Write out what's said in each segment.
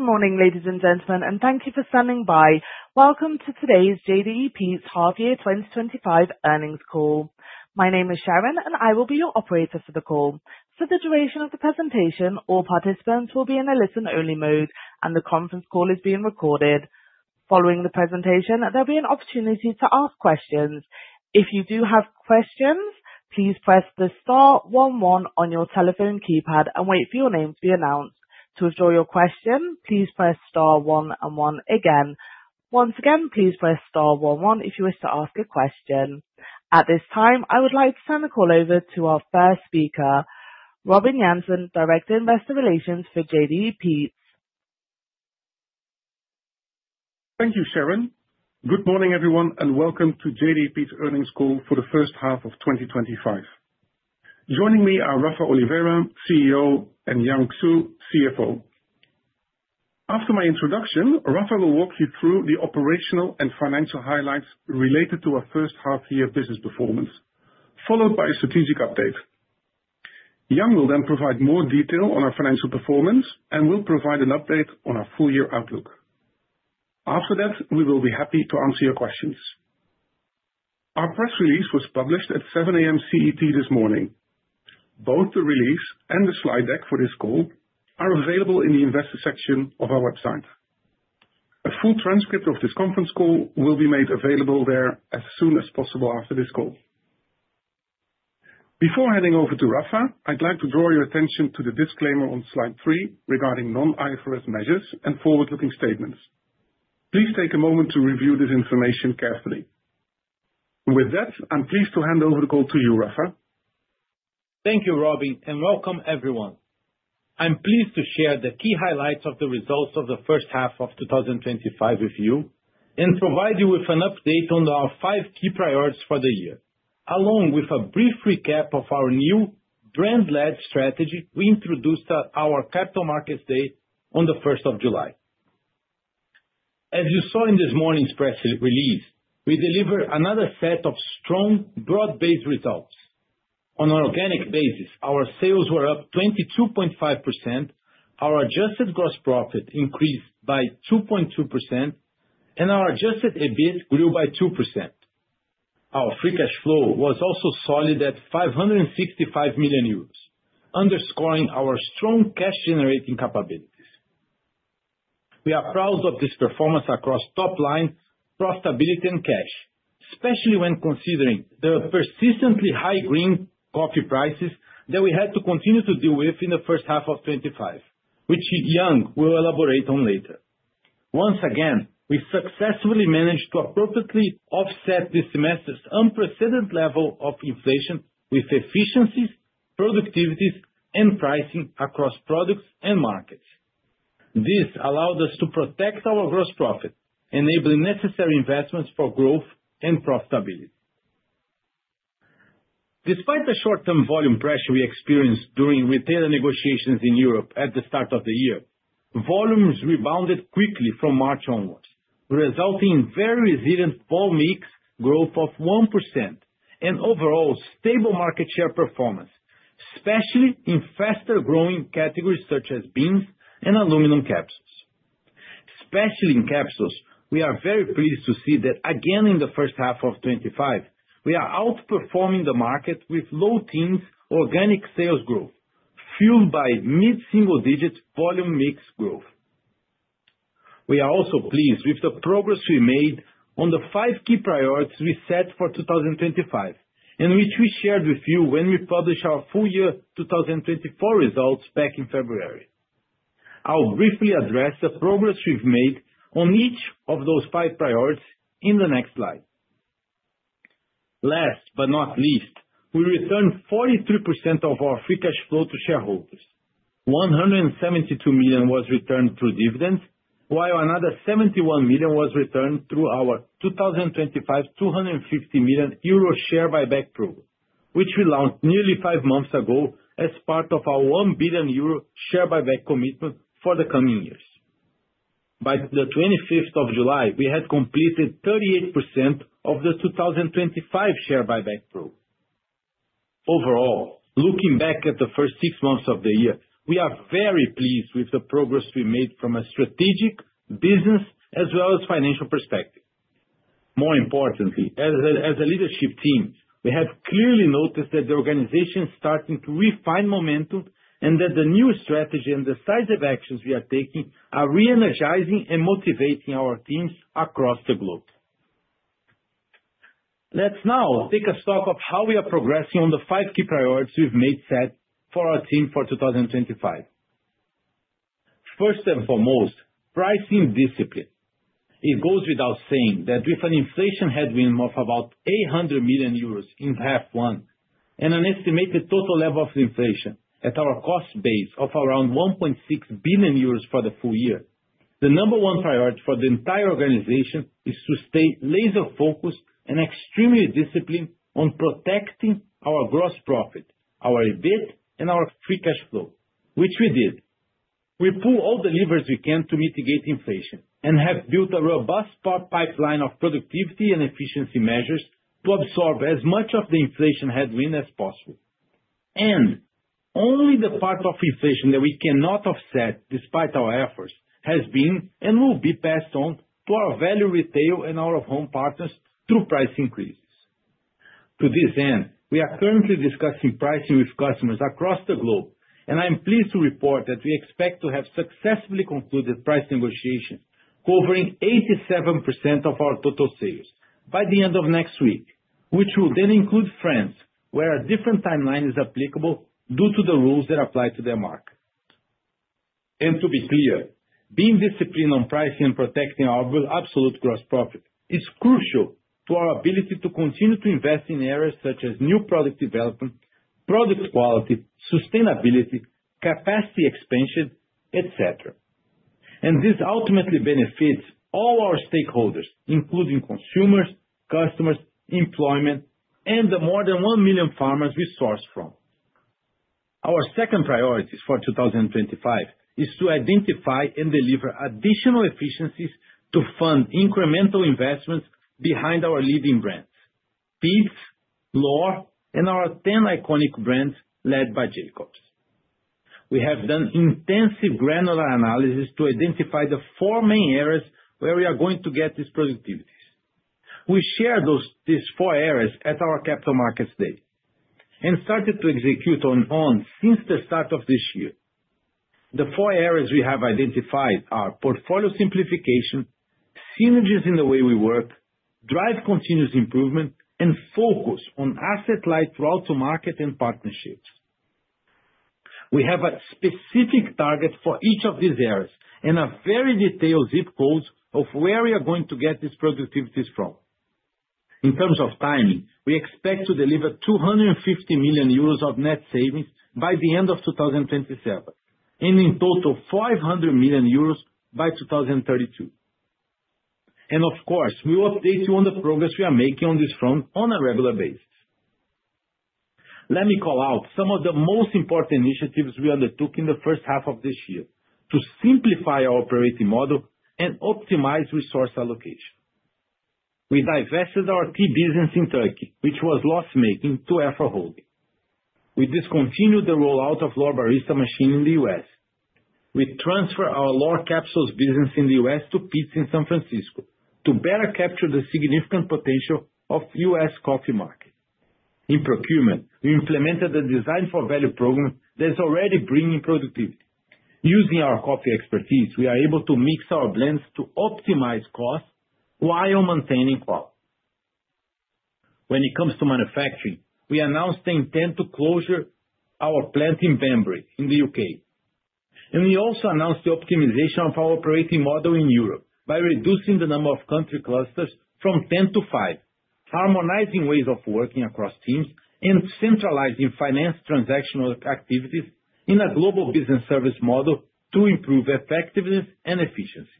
Good morning, ladies and gentlemen, and thank you for standing by. Welcome to today's JDE Peet's Half-Year 2025 Earnings Call. My name is Sharon, and I will be your operator for the call. For the duration of the presentation, all participants will be in a listen-only mode, and the conference call is being recorded. Following the presentation, there'll be an opportunity to ask questions. If you do have questions, please press the star one one on your telephone keypad and wait for your name to be announced. To withdraw your question, please press star one one again. Once again, please press star one one if you wish to ask a question. At this time, I would like to turn the call over to our first speaker, Robin Jansen, Director of Investor Relations for JDE Peet's. Thank you, Sharon. Good morning, everyone, and welcome to JDE Peet's Earnings Call for the First Half of 2025. Joining me are Rafael Oliveira, CEO, and Yang Xu, CFO. After my introduction, Rafael will walk you through the operational and financial highlights related to our first half-year business performance, followed by a strategic update. Yang will then provide more detail on our financial performance and will provide an update on our full-year outlook. After that, we will be happy to answer your questions. Our press release was published at 7:00 A.M. CET this morning. Both the release and the slide deck for this call are available in the investor section of our website. A full transcript of this conference call will be made available there as soon as possible after this call. Before handing over to Rafa, I'd like to draw your attention to the disclaimer on slide three regarding non-IFRS measures and forward-looking statements. Please take a moment to review this information carefully. With that, I'm pleased to hand over the call to you, Rafa. Thank you, Robin, and welcome, everyone. I'm pleased to share the key highlights of the results of the first half of 2025 with you and provide you with an update on our five key priorities for the year, along with a brief recap of our new brand-led strategy we introduced at our Capital Markets Day on the 1st of July. As you saw in this morning's press release, we delivered another set of strong, broad-based results. On an organic basis, our sales were up 22.5%, our adjusted gross profit increased by 2.2%, and our adjusted EBIT grew by 2%. Our free cash flow was also solid at 565 million euros, underscoring our strong cash-generating capabilities. We are proud of this performance across top line, profitability, and cash, especially when considering the persistently high green coffee prices that we had to continue to deal with in the first half of 2025, which Yang will elaborate on later. Once again, we successfully managed to appropriately offset this semester's unprecedented level of inflation with efficiencies, productivities, and pricing across products and markets. This allowed us to protect our gross profit, enabling necessary investments for growth and profitability. Despite the short-term volume pressure we experienced during retailer negotiations in Europe at the start of the year, volumes rebounded quickly from March onwards, resulting in very resilient volume mix growth of 1% and overall stable market share performance, especially in faster-growing categories such as beans and aluminum capsules. Especially in capsules, we are very pleased to see that again in the first half of 2025, we are outperforming the market with low teens organic sales growth fueled by mid-single-digit volume mix growth. We are also pleased with the progress we made on the five key priorities we set for 2025, which we shared with you when we published our full year 2024 results back in February. I'll briefly address the progress we've made on each of those five priorities in the next slide. Last but not least, we returned 43% of our free cash flow to shareholders. 172 million was returned through dividends, while another 71 million was returned through our 225 million euro share buyback program, which we launched nearly five months ago as part of our 1 billion euro share buyback commitment for the coming years. By the 25th of July, we had completed 38% of the 2025 share buyback program. Overall, looking back at the first six months of the year, we are very pleased with the progress we made from a strategic, business, as well as financial perspective. More importantly, as a leadership team, we have clearly noticed that the organization is starting to refine momentum and that the new strategy and the size of actions we are taking are re-energizing and motivating our teams across the globe. Let's now take a stock of how we are progressing on the five key priorities we've made set for our team for 2025. First and foremost, pricing discipline. It goes without saying that with an inflation headwind of about 800 million euros in half one and an estimated total level of inflation at our cost base of around 1.6 billion euros for the full year, the number one priority for the entire organization is to stay laser-focused and extremely disciplined on protecting our gross profit, our EBIT, and our free cash flow, which we did. We pulled all the levers we can to mitigate inflation and have built a robust pipeline of productivity and efficiency measures to absorb as much of the inflation headwind as possible. Only the part of inflation that we cannot offset, despite our efforts, has been and will be passed on to our value retail and out-of-home partners through price increases. To this end, we are currently discussing pricing with customers across the globe, and I'm pleased to report that we expect to have successfully concluded price negotiations covering 87% of our total sales by the end of next week, which will then include France, where a different timeline is applicable due to the rules that apply to their market. To be clear, being disciplined on pricing and protecting our absolute gross profit is crucial to our ability to continue to invest in areas such as new product development, product quality, sustainability, capacity expansion, etc. This ultimately benefits all our stakeholders, including consumers, customers, employment, and the more than 1 million farmers we source from. Our second priority for 2025 is to identify and deliver additional efficiencies to fund incremental investments behind our leading brands, Peet's, L'OR, and our 10 iconic brands led by Jacobs. We have done intensive granular analysis to identify the four main areas where we are going to get these productivities. We shared these four areas at our Capital Markets Day and started to execute on since the start of this year. The four areas we have identified are portfolio simplification, synergies in the way we work, drive continuous improvement, and focus on asset-light route to market and partnerships. We have a specific target for each of these areas and a very detailed zip code of where we are going to get these productivities from. In terms of timing, we expect to deliver 250 million euros of net savings by the end of 2027 and in total 500 million euros by 2032. Of course, we will update you on the progress we are making on this front on a regular basis. Let me call out some of the most important initiatives we undertook in the first half of this year to simplify our operating model and optimize resource allocation. We divested our key business in Turkey, which was loss-making, to EFRA Holding. We discontinued the rollout of L'OR Barista machine in the U.S. We transferred our L'OR capsules business in the U.S. to Peet's in San Francisco to better capture the significant potential of the U.S. coffee market. In procurement, we implemented a design-for-value program that is already bringing productivity. Using our coffee expertise, we are able to mix our blends to optimize costs while maintaining quality. When it comes to manufacturing, we announced the intent to close our plant in Banbury in the U.K. We also announced the optimization of our operating model in Europe by reducing the number of country clusters from 10 to 5, harmonizing ways of working across teams, and centralizing finance transactional activities in a Global Business Services model to improve effectiveness and efficiency.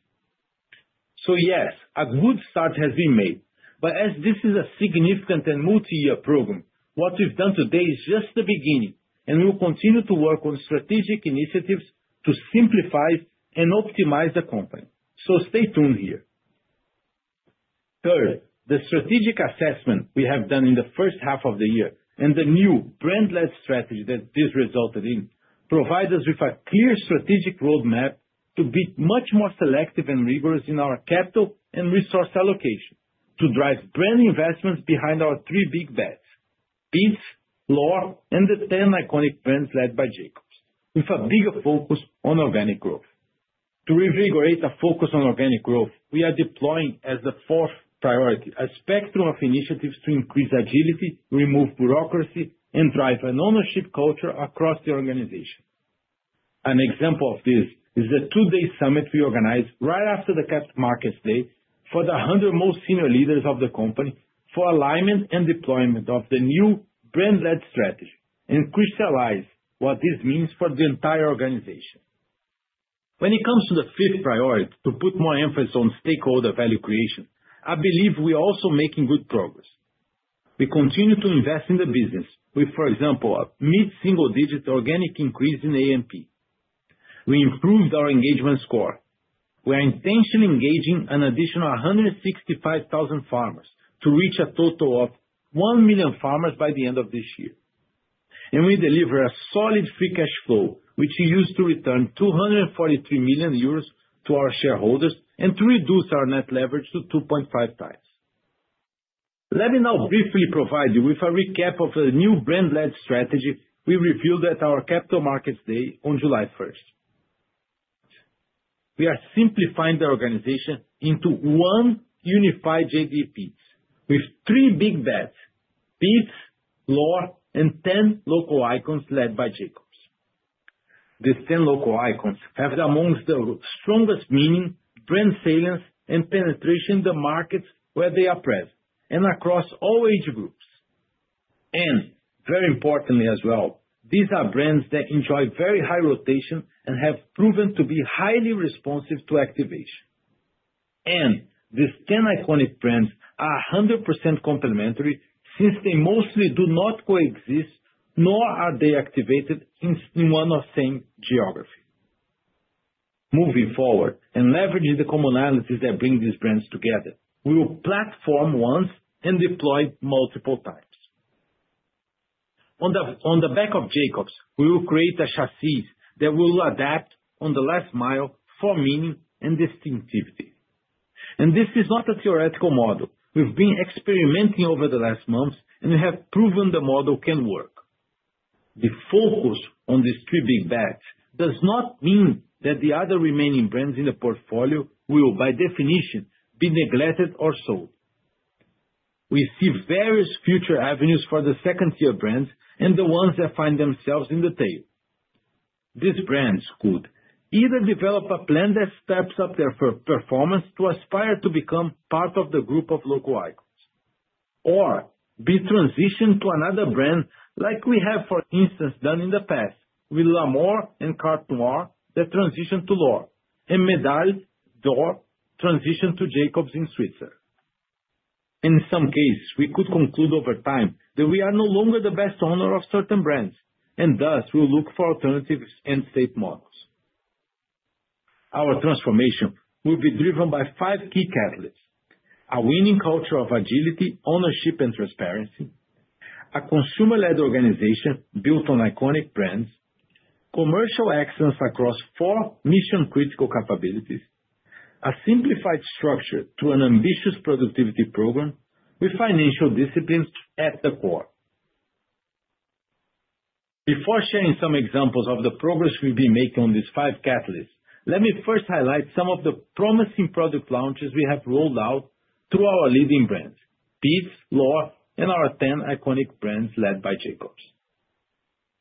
Yes, a good start has been made. As this is a significant and multi-year program, what we've done today is just the beginning, and we will continue to work on strategic initiatives to simplify and optimize the company. Stay tuned here. Third, the strategic assessment we have done in the first half of the year and the new brand-led strategy that this resulted in provide us with a clear strategic roadmap to be much more selective and rigorous in our capital and resource allocation to drive brand investments behind our three big bets, Peet's, L'OR, and the 10 iconic brands led by Jacobs, with a bigger focus on organic growth. To reinvigorate the focus on organic growth, we are deploying, as the fourth priority, a spectrum of initiatives to increase agility, remove bureaucracy, and drive an ownership culture across the organization. An example of this is the two-day summit we organized right after the Capital Markets Day for the 100 most senior leaders of the company for alignment and deployment of the new brand-led strategy and crystallize what this means for the entire organization. When it comes to the fifth priority, to put more emphasis on stakeholder value creation, I believe we are also making good progress. We continue to invest in the business with, for example, a mid-single-digit organic increase in A&P. We improved our engagement score. We are intentionally engaging an additional 165,000 farmers to reach a total of 1 million farmers by the end of this year. We deliver a solid free cash flow, which is used to return 243 million euros to our shareholders and to reduce our net leverage to 2.5 times. Let me now briefly provide you with a recap of the new brand-led strategy we revealed at our Capital Markets Day on July 1st. We are simplifying the organization into one unified JDE Peet's with three big bets, Peet's, L'OR, and 10 local icons led by Jacobs. These 10 local icons have amongst the strongest meaning, brand salience, and penetration in the markets where they are present and across all age groups. Very importantly as well, these are brands that enjoy very high rotation and have proven to be highly responsive to activation. These 10 iconic brands are 100% complementary since they mostly do not coexist, nor are they activated in one or same geography. Moving forward and leveraging the commonalities that bring these brands together, we will platform once and deploy multiple times. On the back of Jacobs, we will create a chassis that will adapt on the last mile for meaning and distinctivity. This is not a theoretical model. We have been experimenting over the last months, and we have proven the model can work. The focus on these three big bets does not mean that the other remaining brands in the portfolio will, by definition, be neglected or sold. We see various future avenues for the second-tier brands and the ones that find themselves in the tail. These brands could either develop a plan that steps up their performance to aspire to become part of the group of local icons, or be transitioned to another brand like we have, for instance, done in the past with L'OR and Carte Noire that transitioned to L'OR, and Médaille d'Or transitioned to Jacobs in Switzerland. In some cases, we could conclude over time that we are no longer the best owner of certain brands, and thus we'll look for alternatives and state models. Our transformation will be driven by five key catalysts: a winning culture of agility, ownership, and transparency, a consumer-led organization built on iconic brands, commercial excellence across four mission-critical capabilities, a simplified structure to an ambitious productivity program with financial discipline at the core. Before sharing some examples of the progress we've been making on these five catalysts, let me first highlight some of the promising product launches we have rolled out through our leading brands, Peet's, L'OR, and our 10 iconic brands led by Jacobs.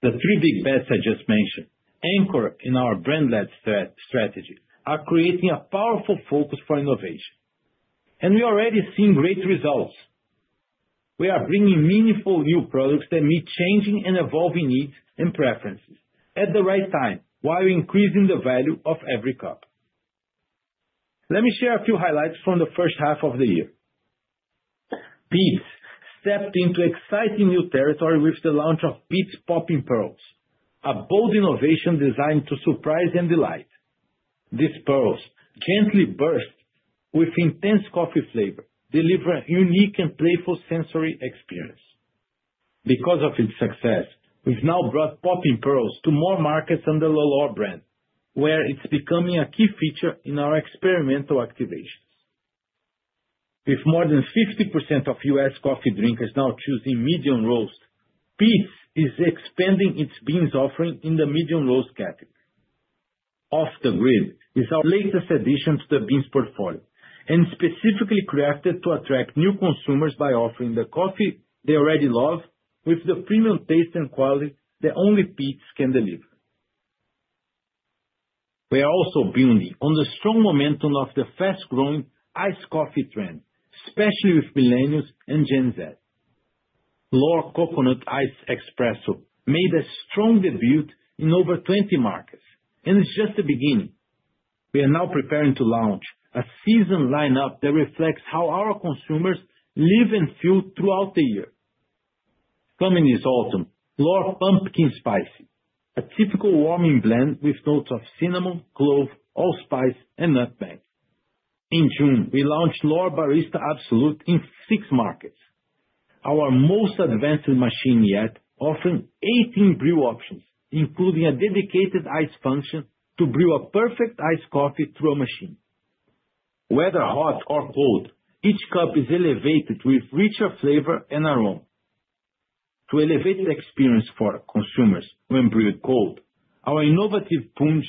The three big bets I just mentioned, anchored in our brand-led strategy, are creating a powerful focus for innovation. We are already seeing great results. We are bringing meaningful new products that meet changing and evolving needs and preferences at the right time while increasing the value of every cup. Let me share a few highlights from the first half of the year. Peet's stepped into exciting new territory with the launch of Peet's Popping Pearls, a bold innovation designed to surprise and delight. These pearls gently burst with intense coffee flavor, delivering a unique and playful sensory experience. Because of its success, we've now brought Popping Pearls to more markets under the L'OR brand, where it's becoming a key feature in our experimental activations. With more than 50% of U..S coffee drinkers now choosing medium roast, Peet's is expanding its beans offering in the medium roast category. Off the Grid is our latest addition to the beans portfolio and specifically crafted to attract new consumers by offering the coffee they already love with the premium taste and quality that only Peet's can deliver. We are also building on the strong momentum of the fast-growing iced coffee trend, especially with millennials and Gen Z. L'OR Coconut Iced Espresso made a strong debut in over 20 markets, and it's just the beginning. We are now preparing to launch a season lineup that reflects how our consumers live and feel throughout the year. Coming this autumn, L'OR Pumpkin Spicy, a typical warming blend with notes of cinnamon, clove, allspice, and nutmeg. In June, we launched L’OR Barista Absolute in six markets, our most advanced machine yet, offering 18 brew options, including a dedicated ice function to brew a perfect iced coffee through a machine. Whether hot or cold, each cup is elevated with richer flavor and aroma. To elevate the experience for consumers when brewed cold, our innovative plunge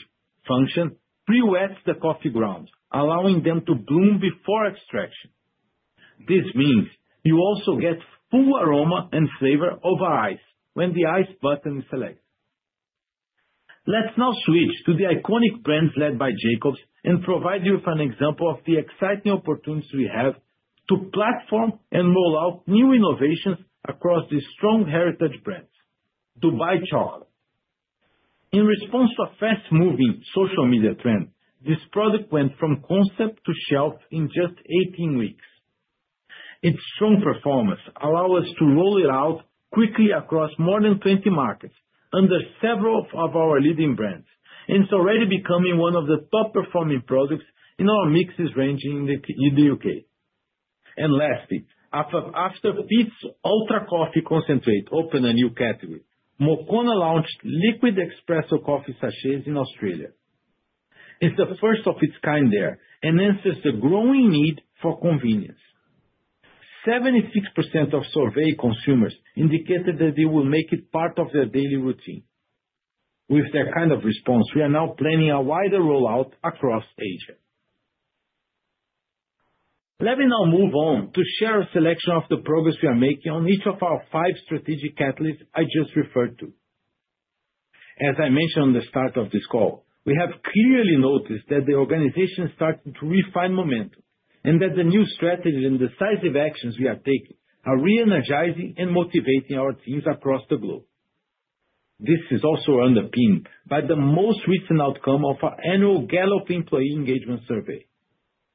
function pre-wets the coffee grounds, allowing them to bloom before extraction. This means you also get full aroma and flavor over ice when the ice button is selected. Let's now switch to the iconic brands led by Jacobs and provide you with an example of the exciting opportunities we have to platform and roll out new innovations across these strong heritage brands, Jacobs Dubai Chocolate. In response to a fast-moving social media trend, this product went from concept to shelf in just 18 weeks. Its strong performance allows us to roll it out quickly across more than 20 markets under several of our leading brands, and it's already becoming one of the top-performing products in our mixes range in the U.K. Lastly, after Peet’s Ultra Coffee Concentrate opened a new category, Moccona launched liquid espresso coffee sachets in Australia. It's the first of its kind there and answers the growing need for convenience. 76% of surveyed consumers indicated that they will make it part of their daily routine. With that kind of response, we are now planning a wider rollout across Asia. Let me now move on to share a selection of the progress we are making on each of our five strategic catalysts I just referred to. As I mentioned at the start of this call, we have clearly noticed that the organization is starting to refine momentum and that the new strategies and the size of actions we are taking are re-energizing and motivating our teams across the globe. This is also underpinned by the most recent outcome of our annual Gallup employee engagement survey.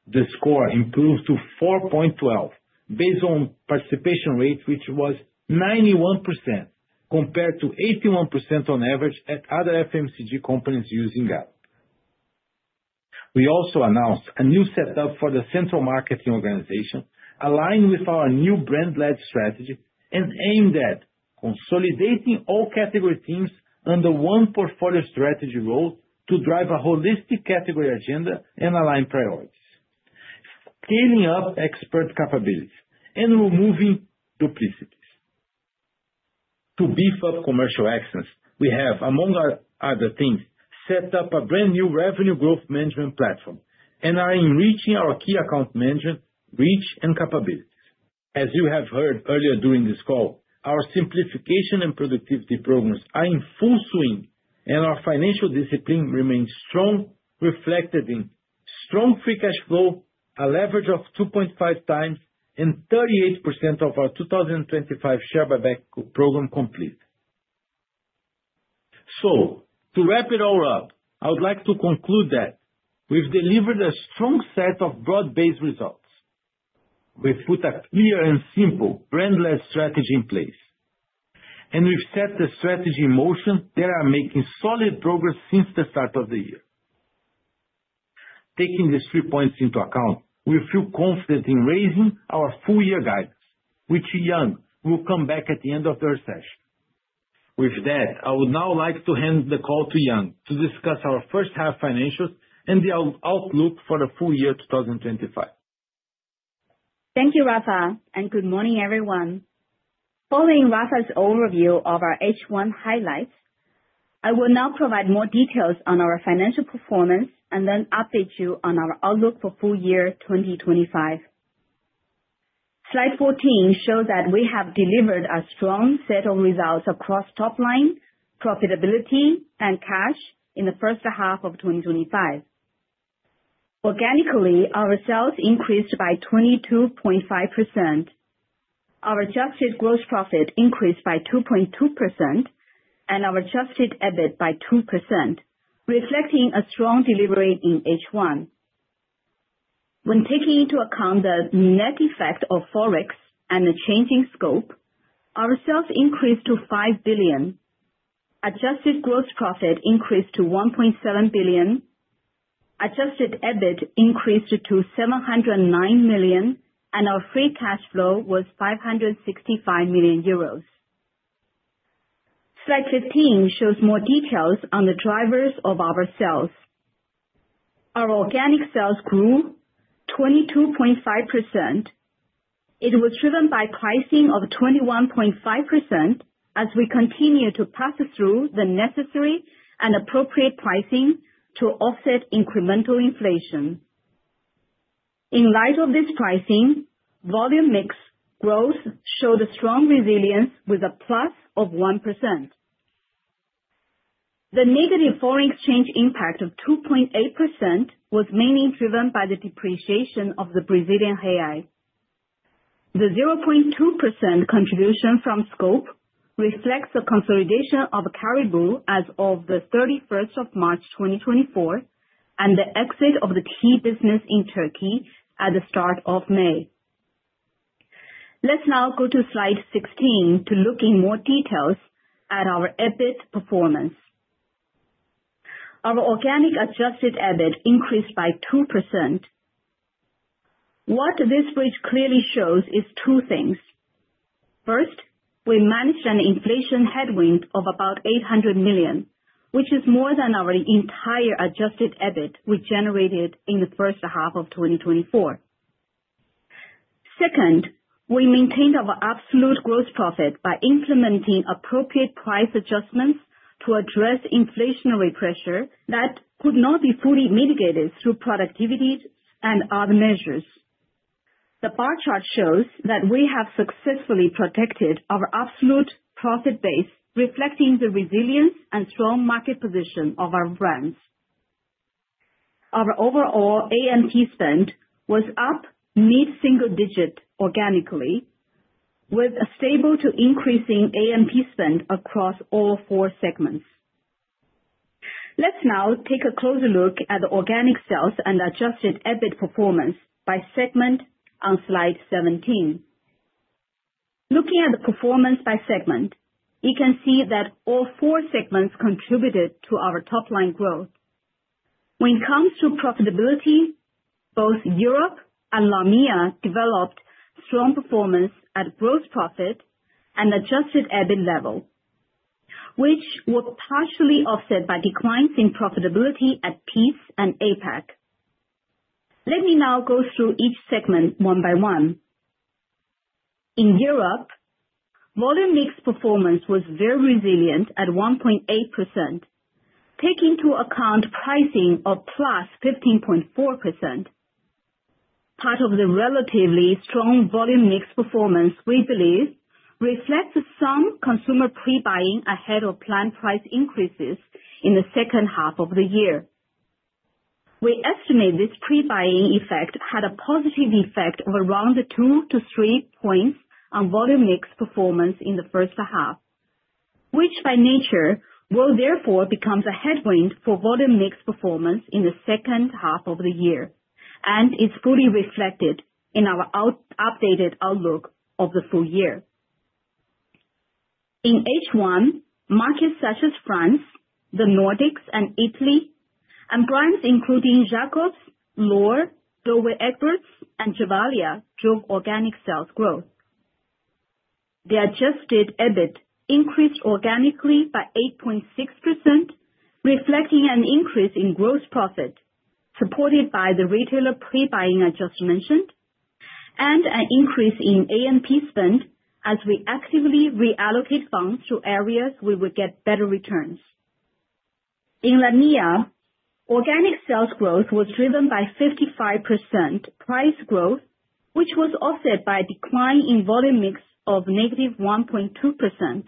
The score improved to 4.12 based on participation rate, which was 91% compared to 81% on average at other FMCG companies using Gallup. We also announced a new setup for the central marketing organization aligned with our new brand-led strategy and aimed at consolidating all category teams under one portfolio strategy role to drive a holistic category agenda and align priorities. Scaling up expert capabilities and removing duplicities. To beef up commercial excellence, we have, among other things, set up a brand new revenue growth management platform and are enriching our key account management reach and capabilities. As you have heard earlier during this call, our simplification and productivity programs are in full swing, and our financial discipline remains strong, reflected in strong free cash flow, a leverage of 2.5 times, and 38% of our 2025 share buyback program complete. To wrap it all up, I would like to conclude that we've delivered a strong set of broad-based results. We've put a clear and simple brand-led strategy in place. We've set the strategy in motion that are making solid progress since the start of the year. Taking these three points into account, we feel confident in raising our full-year guidance, which Yang will come back at the end of the session. With that, I would now like to hand the call to Yang to discuss our first-half financials and the outlook for the full year 2025. Thank you, Rafa, and good morning, everyone. Following Rafa's overview of our H1 highlights, I will now provide more details on our financial performance and then update you on our outlook for full year 2025. Slide 14 shows that we have delivered a strong set of results across top line, profitability, and cash in the first half of 2025. Organically, our sales increased by 22.5%. Our adjusted gross profit increased by 2.2%. Our adjusted EBIT by 2%, reflecting a strong delivery in H1. When taking into account the net effect of Forex and the changing scope, our sales increased to 5 billion. Adjusted gross profit increased to 1.7 billion. Adjusted EBIT increased to 709 million, and our free cash flow was 565 million euros. Slide 15 shows more details on the drivers of our sales. Our organic sales grew 22.5%. It was driven by pricing of 21.5% as we continue to pass through the necessary and appropriate pricing to offset incremental inflation. In light of this pricing, volume mix growth showed a strong resilience with a plus of 1%. The negative foreign exchange impact of 2.8% was mainly driven by the depreciation of the Brazilian real. The 0.2% contribution from scope reflects the consolidation of Caribou as of the 31st of March 2024 and the exit of the key business in Turkey at the start of May. Let's now go to Slide 16 to look in more details at our EBIT performance. Our organic adjusted EBIT increased by 2%. What this bridge clearly shows is two things. First, we managed an inflation headwind of about 800 million, which is more than our entire adjusted EBIT we generated in the first half of 2024. Second, we maintained our absolute gross profit by implementing appropriate price adjustments to address inflationary pressure that could not be fully mitigated through productivity and other measures. The bar chart shows that we have successfully protected our absolute profit base, reflecting the resilience and strong market position of our brands. Our overall A&P spend was up mid-single digit organically, with a stable to increasing A&P spend across all four segments. Let's now take a closer look at the organic sales and adjusted EBIT performance by segment on Slide 17. Looking at the performance by segment, you can see that all four segments contributed to our top-line growth. When it comes to profitability, both Europe and LAMEA developed strong performance at gross profit and adjusted EBIT level, which were partially offset by declines in profitability at Peet's and APAC. Let me now go through each segment one by one. In Europe, volume mix performance was very resilient at 1.8%. Taking into account pricing of +15.4%. Part of the relatively strong volume mix performance, we believe, reflects some consumer pre-buying ahead of planned price increases in the second half of the year. We estimate this pre-buying effect had a positive effect of around 2-3 percentage points on volume mix performance in the first half, which by nature will therefore become the headwind for volume mix performance in the second half of the year and is fully reflected in our updated outlook of the full year. In H1, markets such as France, the Nordics, and Italy, and brands including Jacobs, L'OR, Douwe Egberts, and Gevalia drove organic sales growth. The adjusted EBIT increased organically by 8.6%, reflecting an increase in gross profit supported by the retailer pre-buying I just mentioned, and an increase in A&P spend as we actively reallocate funds to areas where we get better returns. In LAMEA, organic sales growth was driven by 55% price growth, which was offset by a decline in volume mix of -1.2%.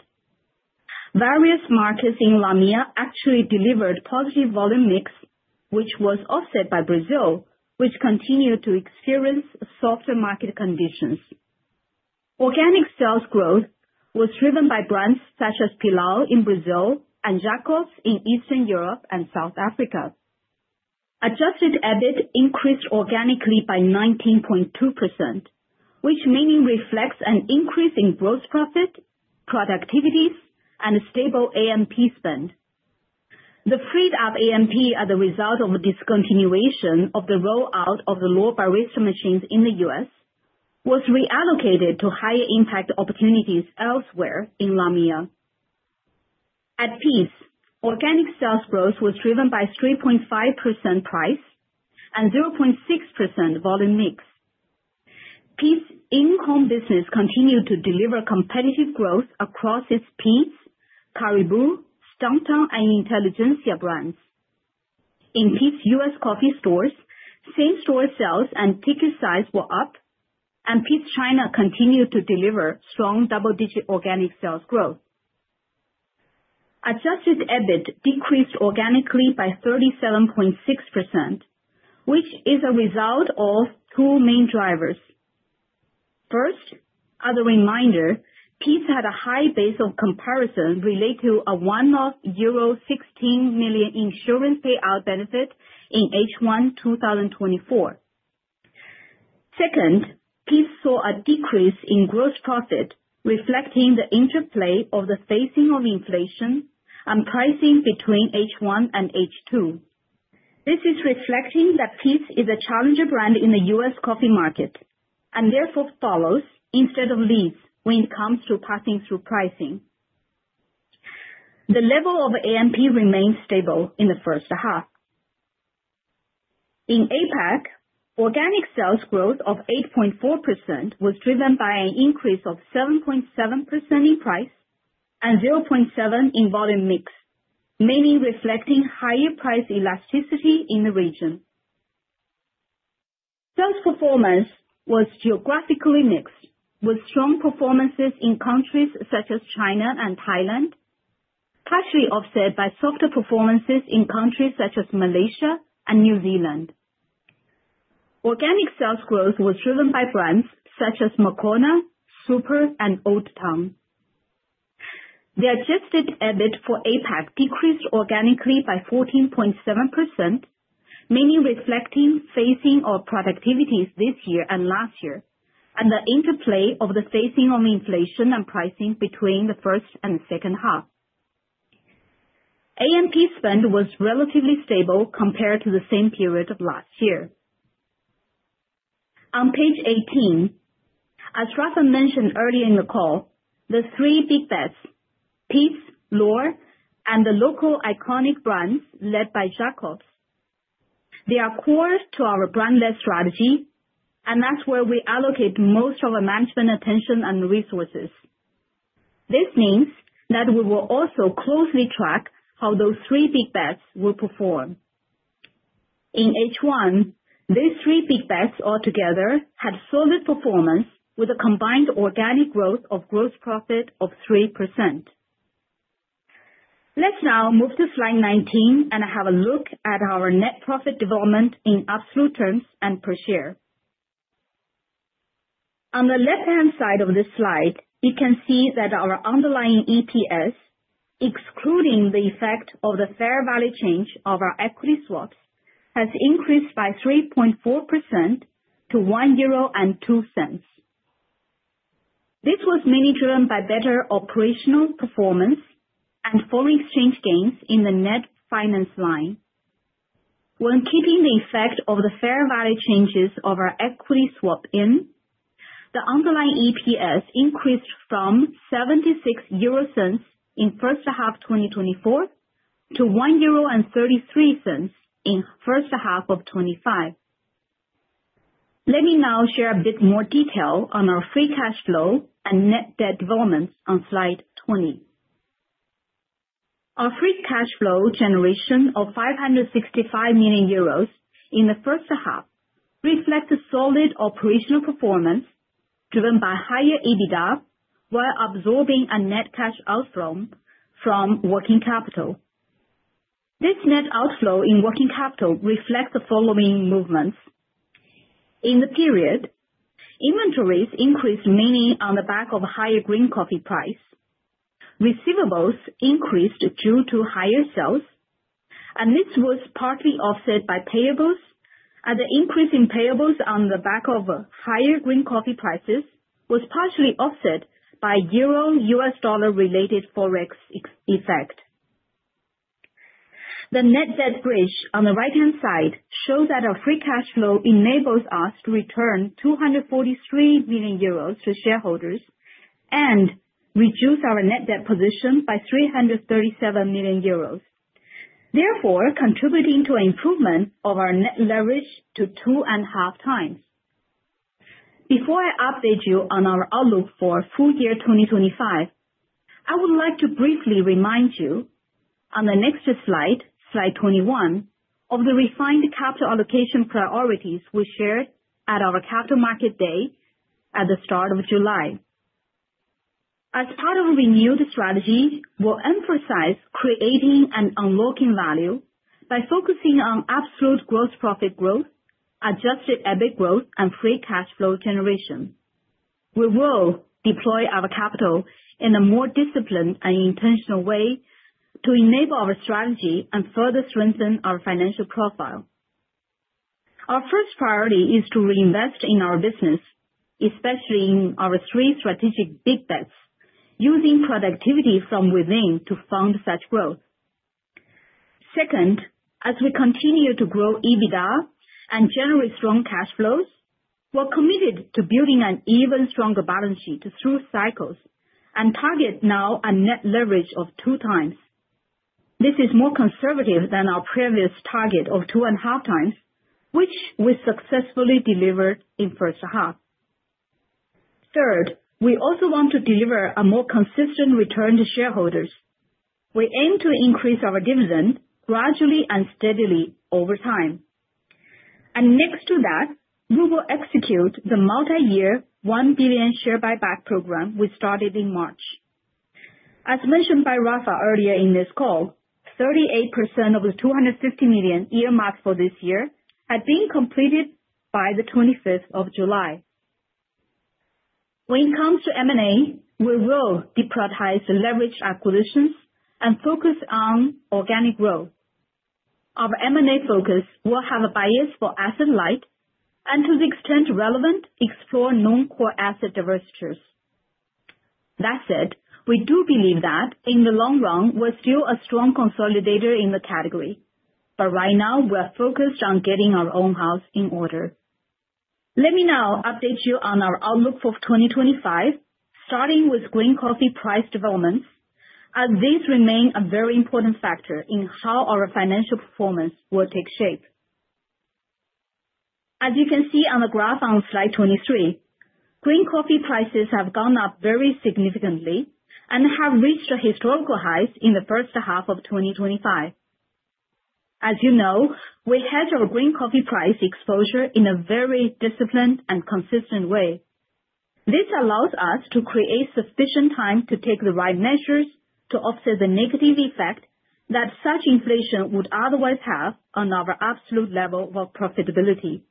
Various markets in LAMEA actually delivered positive volume mix, which was offset by Brazil, which continued to experience softer market conditions. Organic sales growth was driven by brands such as Pilão in Brazil and Jacobs in Eastern Europe and South Africa. Adjusted EBIT increased organically by 19.2%, which mainly reflects an increase in gross profit, productivities, and a stable A&P spend. The freed-up A&P as a result of the discontinuation of the rollout of the L’OR Barista machines in the US was reallocated to higher impact opportunities elsewhere in LAMEA. At Peet's, organic sales growth was driven by 3.5% price and 0.6% volume mix. Peet's in-home business continued to deliver competitive growth across its Peet's, Caribou, Stockton, and Intelligentsia brands. In Peet's US coffee stores, same-store sales and ticket size were up, and Peet's China continued to deliver strong double-digit organic sales growth. Adjusted EBIT decreased organically by 37.6%, which is a result of two main drivers. First, as a reminder, Peet's had a high base of comparison related to a one-off euro 16 million insurance payout benefit in H1 2024. Second, Peet's saw a decrease in gross profit, reflecting the interplay of the phasing of inflation and pricing between H1 and H2. This is reflecting that Peet's is a challenger brand in the US coffee market and therefore follows instead of leads when it comes to passing through pricing. The level of A&P remained stable in the first half. In APAC, organic sales growth of 8.4% was driven by an increase of 7.7% in price and 0.7% in volume mix, mainly reflecting higher price elasticity in the region. Sales performance was geographically mixed, with strong performances in countries such as China and Thailand, partially offset by softer performances in countries such as Malaysia and New Zealand. Organic sales growth was driven by brands such as Moccona, Super, and Old Town. The adjusted EBIT for APAC decreased organically by 14.7%, mainly reflecting phasing of productivities this year and last year and the interplay of the phasing of inflation and pricing between the first and the second half. A&P spend was relatively stable compared to the same period of last year. On page 18, as Rafa mentioned earlier in the call, the three big bets, Peet's, L’OR, and the local iconic brands led by Jacobs, they are core to our brand-led strategy, and that's where we allocate most of our management attention and resources. This means that we will also closely track how those three big bets will perform. In H1, these three big bets altogether had solid performance with a combined organic growth of gross profit of 3%. Let's now move to Slide 19 and have a look at our net profit development in absolute terms and per share. On the left-hand side of this slide, you can see that our underlying EPS, excluding the effect of the fair value change of our equity swaps, has increased by 3.4% to 1.02 euro. This was mainly driven by better operational performance and foreign exchange gains in the net finance line. When keeping the effect of the fair value changes of our equity swap in, the underlying EPS increased from 0.76 in the first half of 2024 to 1.33 euro in the first half of 2025. Let me now share a bit more detail on our free cash flow and net debt developments on Slide 20. Our free cash flow generation of 565 million euros in the first half reflects solid operational performance driven by higher EBITDA while absorbing a net cash outflow from working capital. This net outflow in working capital reflects the following movements in the period. Inventories increased mainly on the back of higher green coffee price. Receivables increased due to higher sales. This was partly offset by payables, and the increase in payables on the back of higher green coffee prices was partially offset by euro/U.S. dollar related Forex effect. The net debt bridge on the right-hand side shows that our free cash flow enables us to return 243 million euros to shareholders and reduce our net debt position by 337 million euros. Therefore, contributing to an improvement of our net leverage to 2 1/2 times. Before I update you on our outlook for full year 2025, I would like to briefly remind you on the next slide, Slide 21, of the refined capital allocation priorities we shared at our capital market day at the start of July. As part of a renewed strategy, we'll emphasize creating and unlocking value by focusing on absolute gross profit growth, adjusted EBIT growth, and free cash flow generation. We will deploy our capital in a more disciplined and intentional way to enable our strategy and further strengthen our financial profile. Our first priority is to reinvest in our business, especially in our three strategic big bets, using productivity from within to fund such growth. Second, as we continue to grow EBITDA and generate strong cash flows, we're committed to building an even stronger balance sheet through cycles and target now a net leverage of two times. This is more conservative than our previous target of two and a half times, which we successfully delivered in the first half. Third, we also want to deliver a more consistent return to shareholders. We aim to increase our dividend gradually and steadily over time. Next to that, we will execute the multi-year 1 billion share buyback program we started in March. As mentioned by Rafa earlier in this call, 38% of the 250 million earmarked for this year had been completed by the 25th of July. When it comes to M&A, we will deprioritize leverage acquisitions and focus on organic growth. Our M&A focus will have a bias for asset light and, to the extent relevant, explore non-core asset diversities. That said, we do believe that in the long run, we're still a strong consolidator in the category, but right now we're focused on getting our own house in order. Let me now update you on our outlook for 2025, starting with green coffee price developments, as these remain a very important factor in how our financial performance will take shape. As you can see on the graph on Slide 23, green coffee prices have gone up very significantly and have reached historical highs in the first half of 2025. As you know, we hedge our green coffee price exposure in a very disciplined and consistent way. This allows us to create sufficient time to take the right measures to offset the negative effect that such inflation would otherwise have on our absolute level of profitability.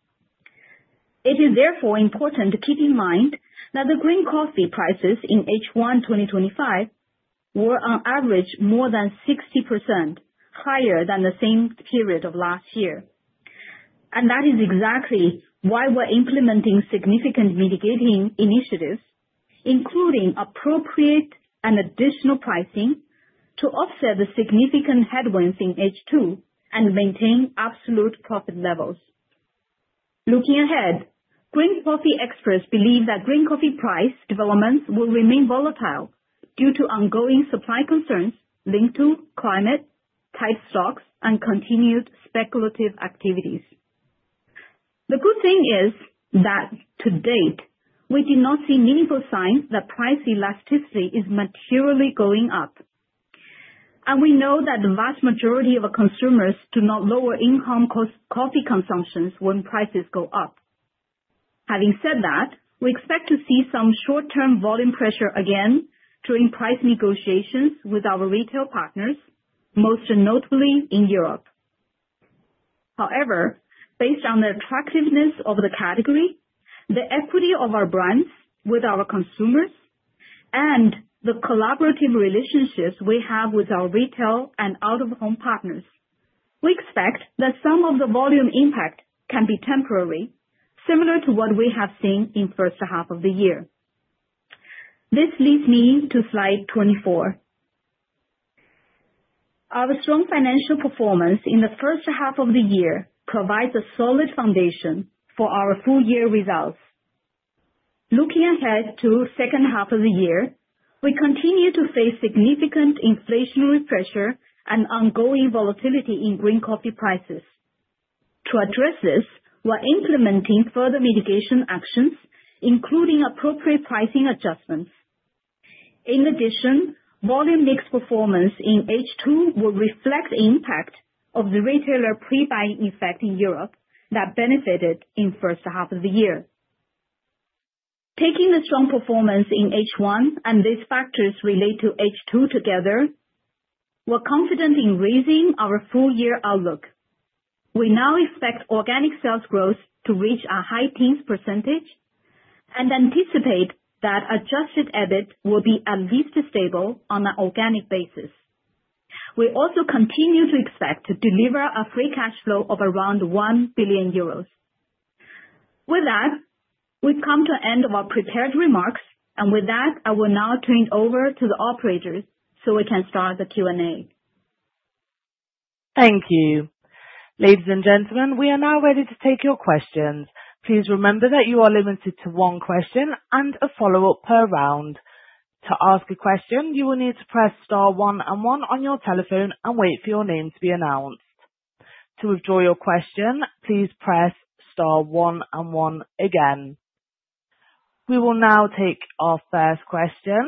It is therefore important to keep in mind that the green coffee prices in H1 2025 were on average more than 60% higher than the same period of last year. That is exactly why we're implementing significant mitigating initiatives, including appropriate and additional pricing to offset the significant headwinds in H2 and maintain absolute profit levels. Looking ahead, green coffee experts believe that green coffee price developments will remain volatile due to ongoing supply concerns linked to climate, tight stocks, and continued speculative activities. The good thing is that to date, we did not see meaningful signs that price elasticity is materially going up. We know that the vast majority of consumers do not lower in-home coffee consumptions when prices go up. Having said that, we expect to see some short-term volume pressure again during price negotiations with our retail partners, most notably in Europe. However, based on the attractiveness of the category, the equity of our brands with our consumers, and the collaborative relationships we have with our retail and out-of-home partners, we expect that some of the volume impact can be temporary, similar to what we have seen in the first half of the year. This leads me to Slide 24. Our strong financial performance in the first half of the year provides a solid foundation for our full year results. Looking ahead to the second half of the year, we continue to face significant inflationary pressure and ongoing volatility in green coffee prices. To address this, we're implementing further mitigation actions, including appropriate pricing adjustments. In addition, volume mix performance in H2 will reflect the impact of the retailer pre-buying effect in Europe that benefited in the first half of the year. Taking the strong performance in H1 and these factors related to H2 together, we're confident in raising our full year outlook. We now expect organic sales growth to reach a high 10% and anticipate that adjusted EBIT will be at least stable on an organic basis. We also continue to expect to deliver a free cash flow of around 1 billion euros. With that, we've come to the end of our prepared remarks, and with that, I will now turn it over to the operators so we can start the Q&A. Thank you. Ladies and gentlemen, we are now ready to take your questions. Please remember that you are limited to one question and a follow-up per round. To ask a question, you will need to press star one and one on your telephone and wait for your name to be announced. To withdraw your question, please press star one and one again. We will now take our first question.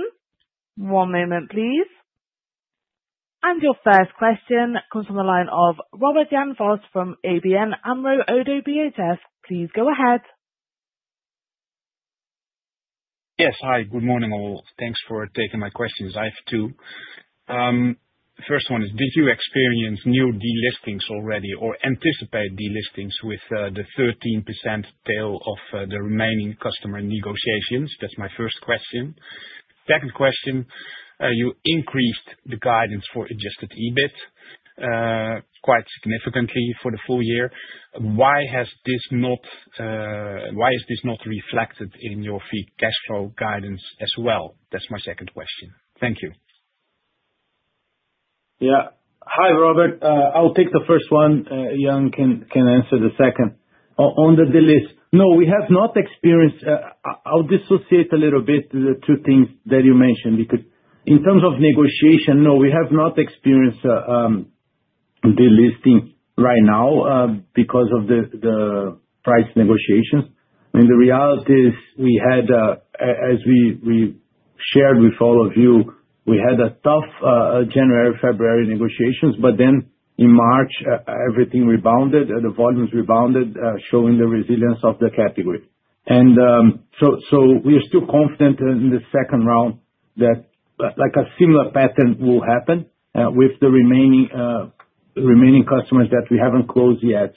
One moment, please. And your first question comes from the line of Robert Jan Vos from ABN Amro Oddo BHS. Please go ahead. Yes, hi. Good morning all. Thanks for taking my questions. I have two. First one is, did you experience new delistings already or anticipate delistings with the 13% tail of the remaining customer negotiations? That's my first question. Second question, you increased the guidance for adjusted EBIT. Quite significantly for the full year. Why has this not? Why is this not reflected in your free cash flow guidance as well? That's my second question. Thank you. Yeah. Hi, Robert. I'll take the first one. Jan can answer the second. On the delist, no, we have not experienced. I'll dissociate a little bit the two things that you mentioned because in terms of negotiation, no, we have not experienced delisting right now because of the price negotiations. I mean, the reality is we had, as we shared with all of you, we had a tough January-February negotiations, but then in March, everything rebounded. The volumes rebounded, showing the resilience of the category. I mean, we are still confident in the second round that a similar pattern will happen with the remaining customers that we haven't closed yet.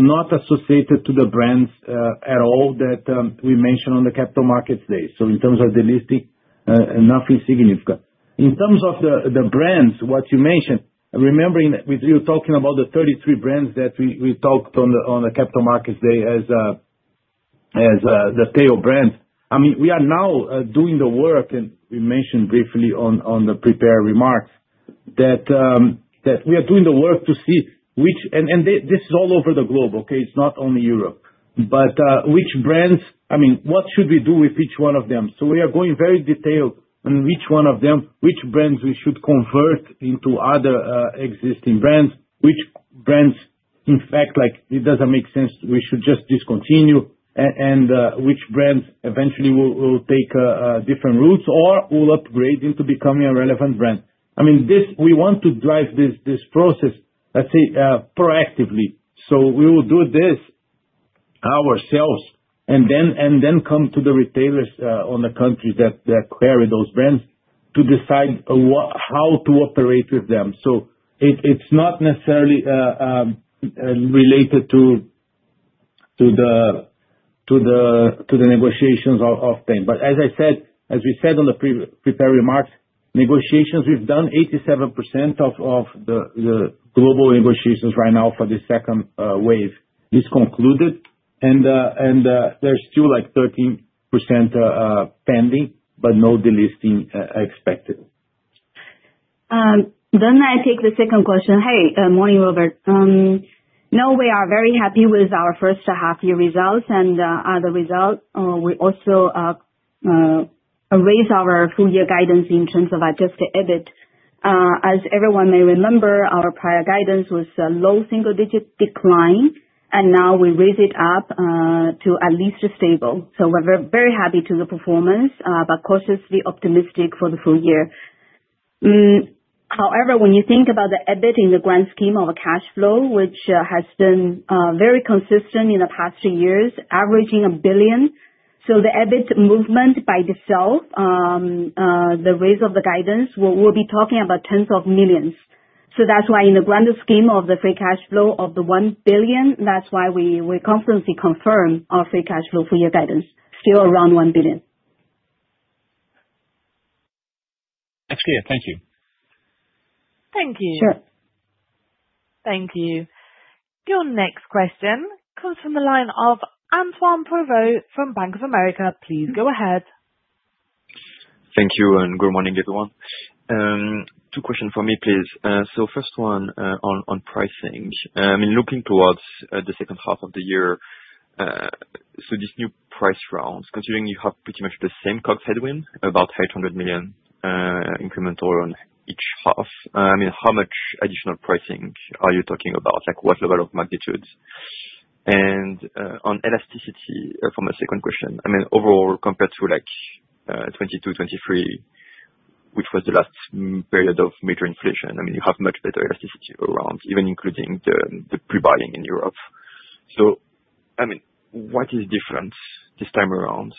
Not associated to the brands at all that we mentioned on the capital markets day. In terms of delisting, nothing significant. In terms of the brands, what you mentioned, remembering with you talking about the 33 brands that we talked on the capital markets day as the tail brands, I mean, we are now doing the work, and we mentioned briefly on the prepared remarks that we are doing the work to see which, and this is all over the globe, okay? It's not only Europe, but which brands, I mean, what should we do with each one of them? We are going very detailed on which one of them, which brands we should convert into other existing brands, which brands, in fact, it doesn't make sense, we should just discontinue, and which brands eventually will take different routes or will upgrade into becoming a relevant brand. I mean, we want to drive this process, let's say, proactively. We will do this ourselves and then come to the retailers on the country that carry those brands to decide how to operate with them. It's not necessarily related to the negotiations of things. As I said, as we said on the prepared remarks, negotiations, we've done 87% of the global negotiations right now for the second wave is concluded, and there's still like 13% pending, but no delisting expected. I take the second question. Hey, morning, Robert. No, we are very happy with our first half-year results and other results. We also raised our full-year guidance in terms of adjusted EBIT. As everyone may remember, our prior guidance was a low single-digit decline, and now we raised it up to at least stable. We are very happy with the performance, but cautiously optimistic for the full year. However, when you think about the EBIT in the grand scheme of cash flow, which has been very consistent in the past two years, averaging a billion, the EBIT movement by itself, the raise of the guidance, we'll be talking about tens of millions. That's why in the grand scheme of the free cash flow of the $1 billion, that's why we confidently confirm our free cash flow full-year guidance, still around $1 billion. That's clear. Thank you. Thank you. Sure. Thank you. Your next question comes from the line of Antoine Prévot from Bank of America. Please go ahead. Thank you, and good morning, everyone. Two questions for me, please. First one on pricing. I mean, looking towards the second half of the year. This new price round, considering you have pretty much the same COGS headwind, about 800 million incremental on each half, I mean, how much additional pricing are you talking about? What level of magnitude? On elasticity for my second question, I mean, overall compared to 2022, 2023, which was the last period of major inflation, I mean, you have much better elasticity around, even including the pre-buying in Europe. What is different this time around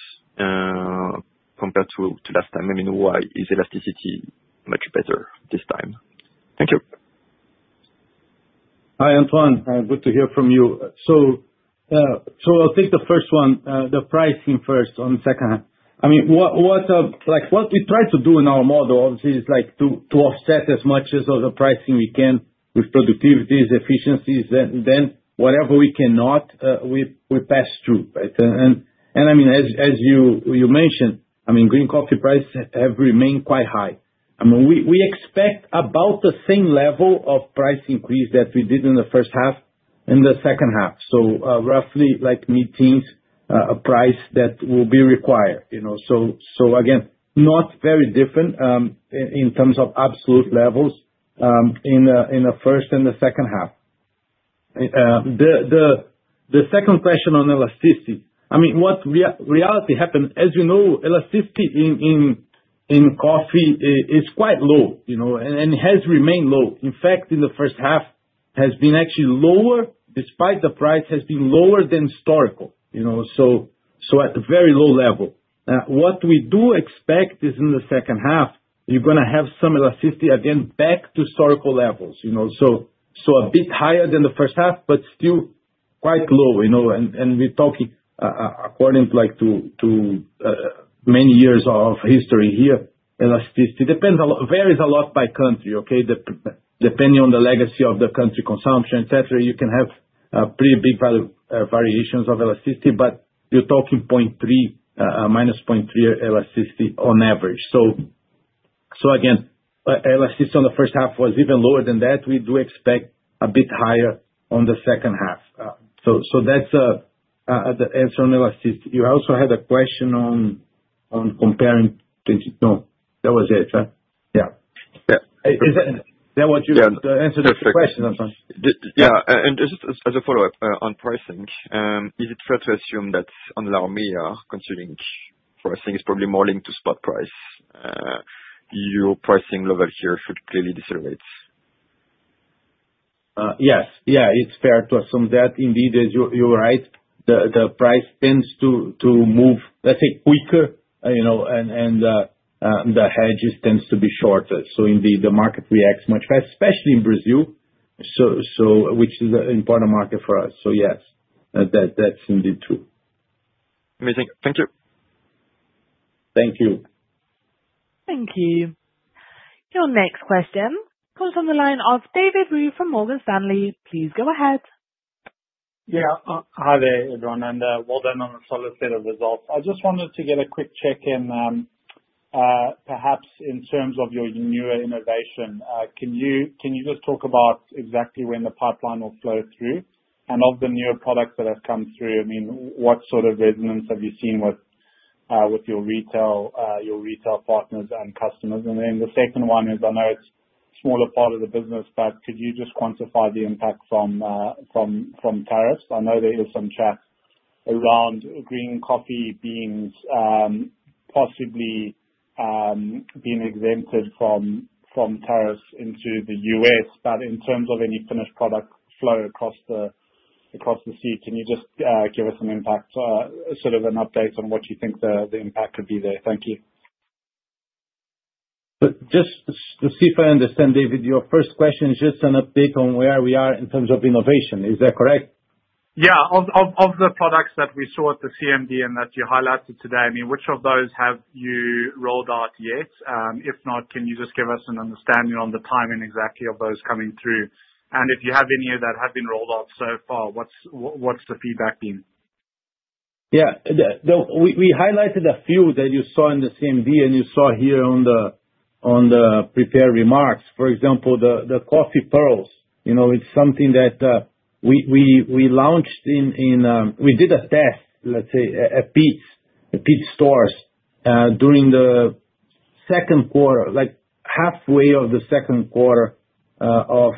compared to last time? Why is elasticity much better this time? Thank you. Hi, Antoine. Good to hear from you. I'll take the first one, the pricing first on the second. What we try to do in our model, obviously, is to offset as much of the pricing we can with productivities, efficiencies, then whatever we cannot, we pass through. As you mentioned, green coffee prices have remained quite high. We expect about the same level of price increase that we did in the first half and the second half, so roughly like mid-teens, a price that will be required. Again, not very different in terms of absolute levels in the first and the second half. The second question on elasticity, what really happened, as you know, elasticity in coffee is quite low and has remained low. In fact, in the first half, has been actually lower despite the price, has been lower than historical, so at a very low level. What we do expect is in the second half, you're going to have some elasticity again back to historical levels, so a bit higher than the first half, but still quite low. According to many years of history here, elasticity varies a lot by country, okay? Depending on the legacy of the country consumption, etc., you can have pretty big variations of elasticity, but you're talking -0.3 elasticity on average. Again, elasticity on the first half was even lower than that. We do expect a bit higher on the second half. That's the answer on elasticity. You also had a question on. Comparing—no, that was it, huh? Yeah. Is that what you—the answer to your question, Antoine? Yeah. And just as a follow-up on pricing, is it fair to assume that on LAMEA, considering pricing is probably more linked to spot price. Your pricing level here should clearly decelerate? Yes. Yeah, it's fair to assume that. Indeed, as you're right, the price tends to move, let's say, quicker. And. The hedges tend to be shorter. So indeed, the market reacts much faster, especially in Brazil. Which is an important market for us. So yes, that's indeed true. Amazing. Thank you. Thank you. Thank you. Your next question comes from the line of David [Ruth] from Morgan Stanley. Please go ahead. Yeah. Hi there, everyone, and well done on the solid state of results. I just wanted to get a quick check-in. Perhaps in terms of your newer innovation, can you just talk about exactly when the pipeline will flow through and of the newer products that have come through? I mean, what sort of resonance have you seen with. Your retail partners and customers? And then the second one is, I know it's a smaller part of the business, but could you just quantify the impact from. Tariffs? I know there is some chat around green coffee beans. Possibly. Being exempted from. Tariffs into the U.S., but in terms of any finished product flow across the Sea, can you just give us an impact, sort of an update on what you think the impact could be there? Thank you. Just to see if I understand, David, your first question is just an update on where we are in terms of innovation. Is that correct? Yeah. Of the products that we saw at the CMD and that you highlighted today, I mean, which of those have you rolled out yet? If not, can you just give us an understanding on the timing exactly of those coming through? And if you have any that have been rolled out so far, what's the feedback been? Yeah. We highlighted a few that you saw in the CMD and you saw here on the. Prepared remarks. For example, the coffee pearls, it's something that. We launched in—we did a test, let's say, at Peet's stores. During the. Second quarter, halfway of the second quarter of.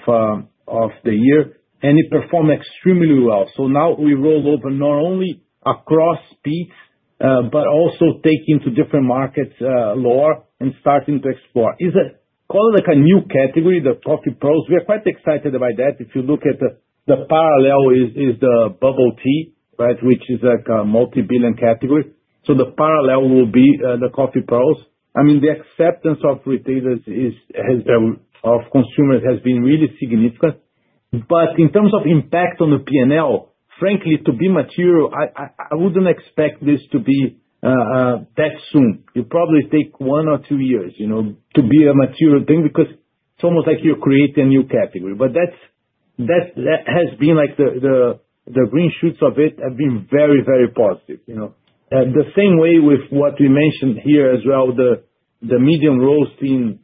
The year, and it performed extremely well. So now we rolled over not only across Peet's, but also taking to different markets lower and starting to explore. Is it called a new category, the coffee pearls? We are quite excited by that. If you look at the parallel, it's the bubble tea, right, which is a multi-billion category. The parallel will be the coffee pearls. I mean, the acceptance of retailers, of consumers, has been really significant. In terms of impact on the P&L, frankly, to be material, I wouldn't expect this to be that soon. It probably takes one or two years to be a material thing because it's almost like you're creating a new category. That has been, like, the green shoots of it have been very, very positive. The same way with what we mentioned here as well, the medium roast in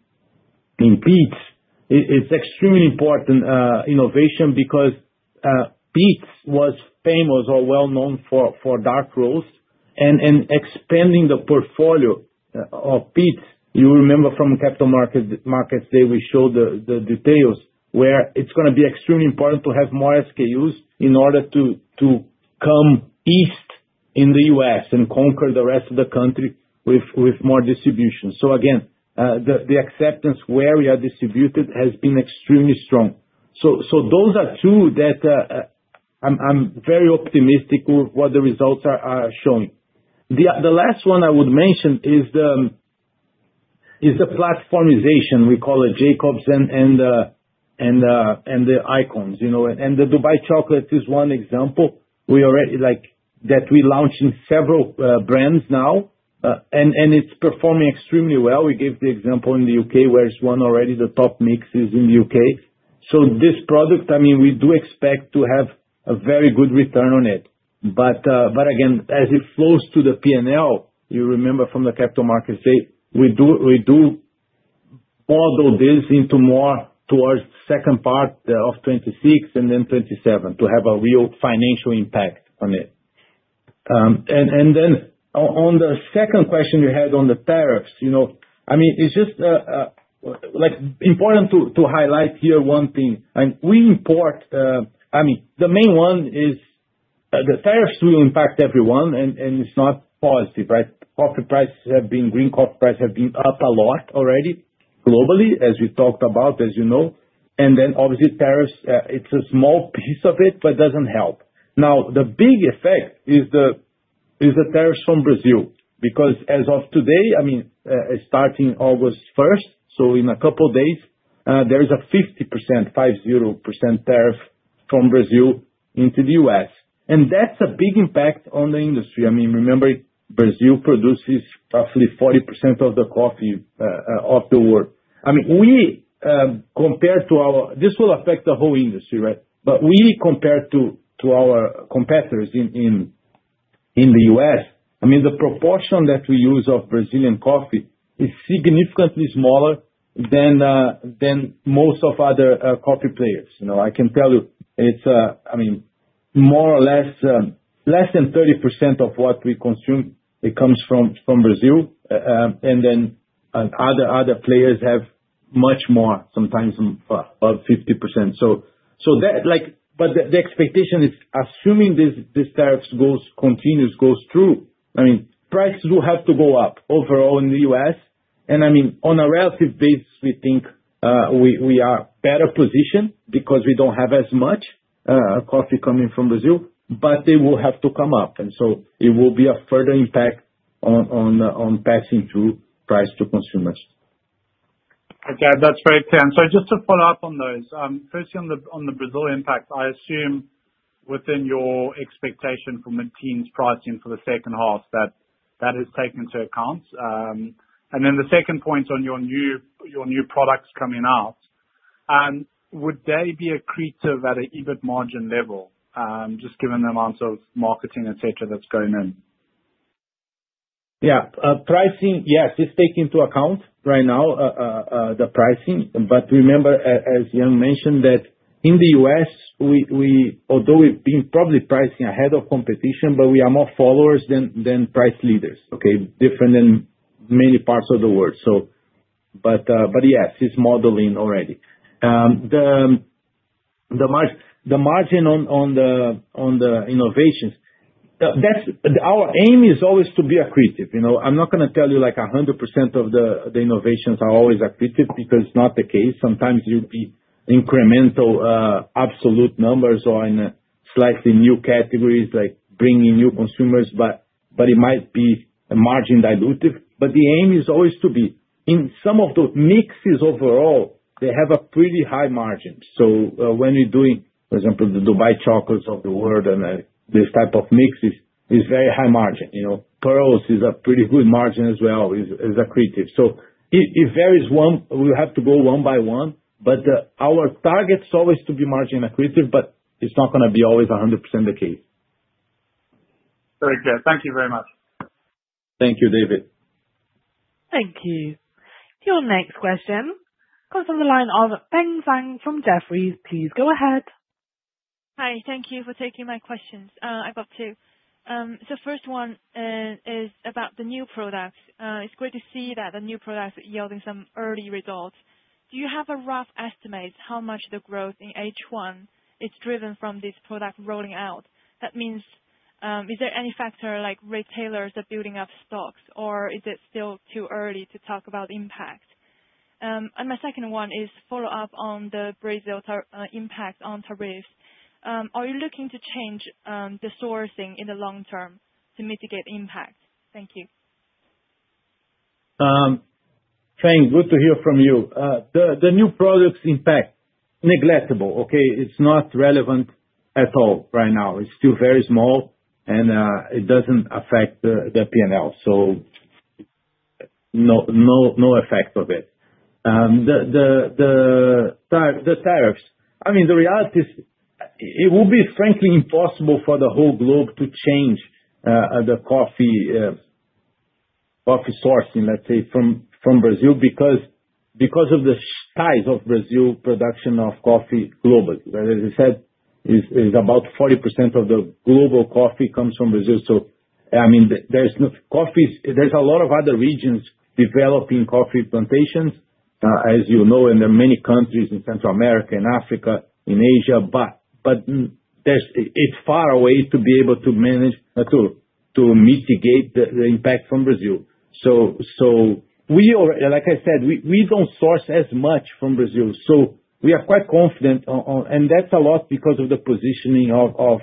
Peet's, it's extremely important innovation because Peet's was famous or well-known for dark roast. Expanding the portfolio of Peet's, you remember from capital markets day we showed the details where it's going to be extremely important to have more SKUs in order to compete in the U.S. and conquer the rest of the country with more distribution. Again, the acceptance where we are distributed has been extremely strong. Those are two that I'm very optimistic with what the results are showing. The last one I would mention is the platformization, we call it, Jacobs and the Icons. The Dubai chocolate is one example that we launched in several brands now, and it's performing extremely well. We gave the example in the U.K. where it's one already, the top mix is in the U.K. This product, I mean, we do expect to have a very good return on it. Again, as it flows to the P&L, you remember from the capital markets day, we do model this into more towards the second part of 2026 and then 2027 to have a real financial impact on it. On the second question you had on the tariffs, it's just important to highlight here one thing. The main one is the tariffs will impact everyone, and it's not positive, right? Coffee prices have been—green coffee prices have been up a lot already globally, as we talked about, as you know. Obviously, tariffs, it's a small piece of it, but it doesn't help. The big effect is the tariffs from Brazil because as of today, starting August 1, so in a couple of days, there's a 50% tariff from Brazil into the US. That's a big impact on the industry. Remember, Brazil produces roughly 40% of the coffee of the world. Compared to our—this will affect the whole industry, right? We compare to our competitors in the US, the proportion that we use of Brazilian coffee is significantly smaller than most of other coffee players. I can tell you, it's, I mean, more or less. Less than 30% of what we consume, it comes from Brazil. Other players have much more, sometimes above 50%. The expectation is assuming these tariffs continue, goes through, prices will have to go up overall in the US. On a relative basis, we think we are better positioned because we do not have as much coffee coming from Brazil, but they will have to come up. It will be a further impact on passing through price to consumers. Okay. That is great answer. Just to follow up on those, firstly, on the Brazil impact, I assume within your expectation from the teens pricing for the second half that that is taken into account. The second point on your new products coming out, would they be accretive at an EBIT margin level, just given the amount of marketing, etc., that is going in? Yeah. Pricing, yes, it is taken into account right now, the pricing. Remember, as Yang mentioned, that in the US, although we have been probably pricing ahead of competition, we are more followers than price leaders, okay? Different than many parts of the world. Yes, it is modeling already. The margin on the innovations, our aim is always to be accretive. I am not going to tell you 100% of the innovations are always accretive because it is not the case. Sometimes you will be incremental absolute numbers or in slightly new categories like bringing new consumers, but it might be margin dilutive. The aim is always to be in some of those mixes overall, they have a pretty high margin. When we are doing, for example, the Dubai chocolates of the world and this type of mixes, it is very high margin. Pearls is a pretty good margin as well. It is accretive. It varies. We have to go one by one. Our target is always to be margin accretive, but it is not going to be always 100% the case. Very good. Thank you very much. Thank you, David. Thank you. Your next question comes from the line of Feng Zhang from Jefferies. Please go ahead. Hi. Thank you for taking my questions. I have got two. First one is about the new products. It is great to see that the new products are yielding some early results. Do you have a rough estimate how much the growth in H1 is driven from this product rolling out? That means, is there any factor like retailers are building up stocks, or is it still too early to talk about impact? My second one is follow-up on the Brazil impact on tariffs. Are you looking to change the sourcing in the long term to mitigate impact? Thank you. Feng, good to hear from you. The new product's impact is negligible, okay? It's not relevant at all right now. It's still very small, and it doesn't affect the P&L, so no effect of it. The tariffs, I mean, the reality is it will be frankly impossible for the whole globe to change the coffee sourcing, let's say, from Brazil because of the size of Brazil's production of coffee globally. As I said, about 40% of the global coffee comes from Brazil. I mean, there's a lot of other regions developing coffee plantations, as you know, and there are many countries in Central America, in Africa, in Asia, but it's far away to be able to manage to mitigate the impact from Brazil. Like I said, we don't source as much from Brazil. We are quite confident, and that's a lot because of the positioning of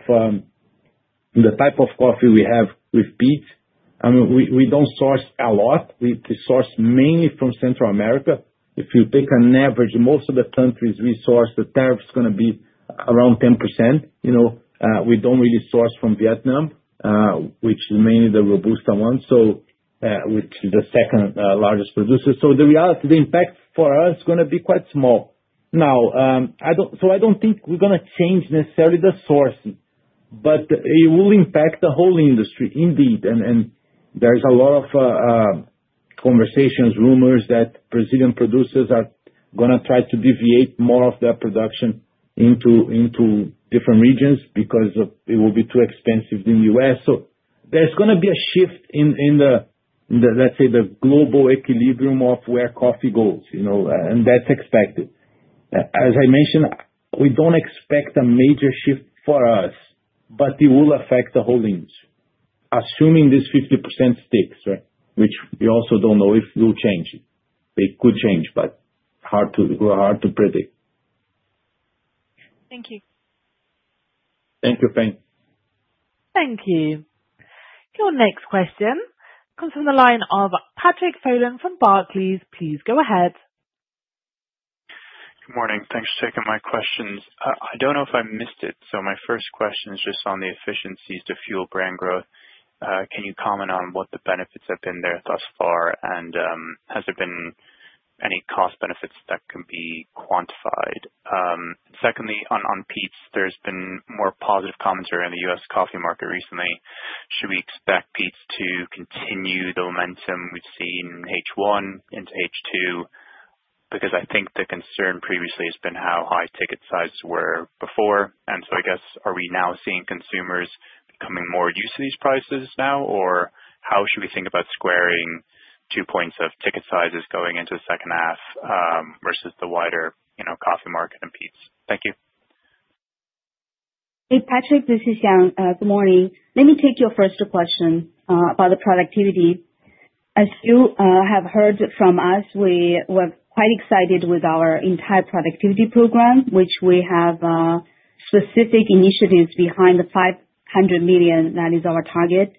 the type of coffee we have with Peet's. I mean, we don't source a lot. We source mainly from Central America. If you take an average, most of the countries we source, the tariff is going to be around 10%. We don't really source from Vietnam, which is mainly the Robusta one, which is the second largest producer. The reality, the impact for us is going to be quite small now. I don't think we're going to change necessarily the sourcing, but it will impact the whole industry, indeed. There's a lot of conversations, rumors that Brazilian producers are going to try to deviate more of their production into different regions because it will be too expensive in the US. There's going to be a shift in the, let's say, the global equilibrium of where coffee goes, and that's expected. As I mentioned, we don't expect a major shift for us, but it will affect the whole industry. Assuming this 50% sticks, right, which we also don't know if it will change. It could change, but it's hard to predict. Thank you. Thank you, Feng. Thank you. Your next question comes from the line of Patrick Folan from Barclays. Please go ahead. Good morning. Thanks for taking my questions. I don't know if I missed it. My first question is just on the efficiencies to fuel brand growth. Can you comment on what the benefits have been there thus far, and has there been any cost benefits that can be quantified? Secondly, on Peet's, there's been more positive commentary on the US coffee market recently. Should we expect Peet's to continue the momentum we've seen in H1 into H2? Because I think the concern previously has been how high ticket sizes were before. I guess, are we now seeing consumers becoming more used to these prices now, or how should we think about squaring two points of ticket sizes going into the second half versus the wider coffee market and Peet's? Thank you. Hey, Patrick, this is Yang. Good morning. Let me take your first question about the productivity. As you have heard from us, we were quite excited with our entire productivity program, which we have. Specific initiatives behind the 500 million that is our target.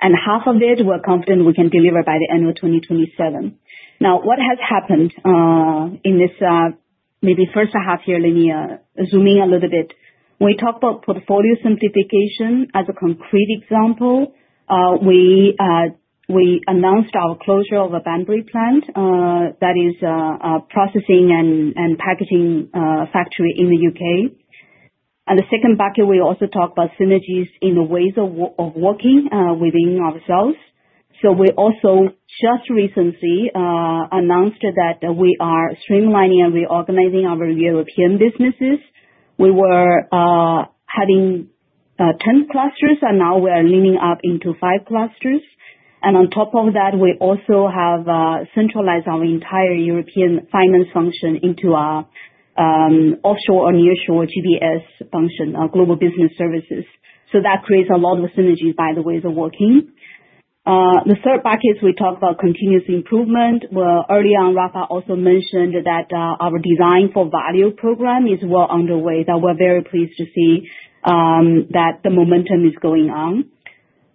Half of it, we're confident we can deliver by the end of 2027. Now, what has happened in this maybe first half here, let me zoom in a little bit. When we talk about portfolio simplification as a concrete example, we announced our closure of a Banbury plant that is a processing and packaging factory in the U.K. On the second bucket, we also talk about synergies in the ways of working within ourselves. We also just recently announced that we are streamlining and reorganizing our European businesses. We were having 10 clusters, and now we are leaning up into five clusters. On top of that, we also have centralized our entire European finance function into our offshore or nearshore GBS function, our Global Business Services. That creates a lot of synergies, by the way, of working. The third bucket is we talk about continuous improvement. Early on, Rafa also mentioned that our design for value program is well underway. We're very pleased to see that the momentum is going on.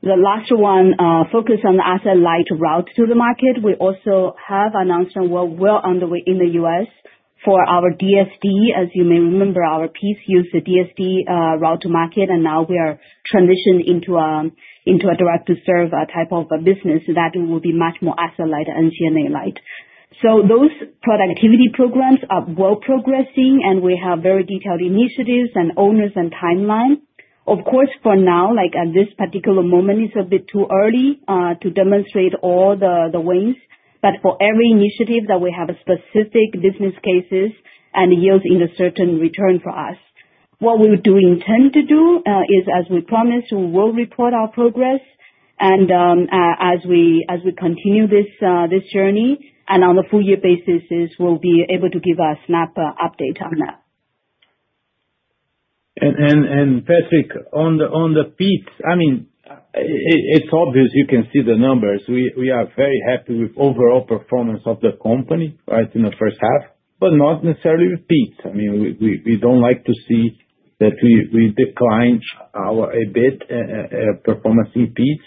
The last one, focus on the asset-light route to the market. We also have announced that we're well underway in the U.S. for our DSD. As you may remember, our Peet's use the DSD route to market, and now we are transitioning into a direct-to-serve type of a business that will be much more asset-light and C&A-light. Those productivity programs are well progressing, and we have very detailed initiatives and owners and timeline. Of course, for now, at this particular moment, it's a bit too early to demonstrate all the ways. For every initiative, we have specific business cases and yields in a certain return for us. What we do intend to do is, as we promised, we will report our progress. As we continue this journey and on a full-year basis, we'll be able to give a snap update on that. Patrick, on the Peet's, I mean, it's obvious you can see the numbers. We are very happy with overall performance of the company, right, in the first half, but not necessarily with Peet's. I mean, we do not like to see that we decline a bit. Performance in Peet's.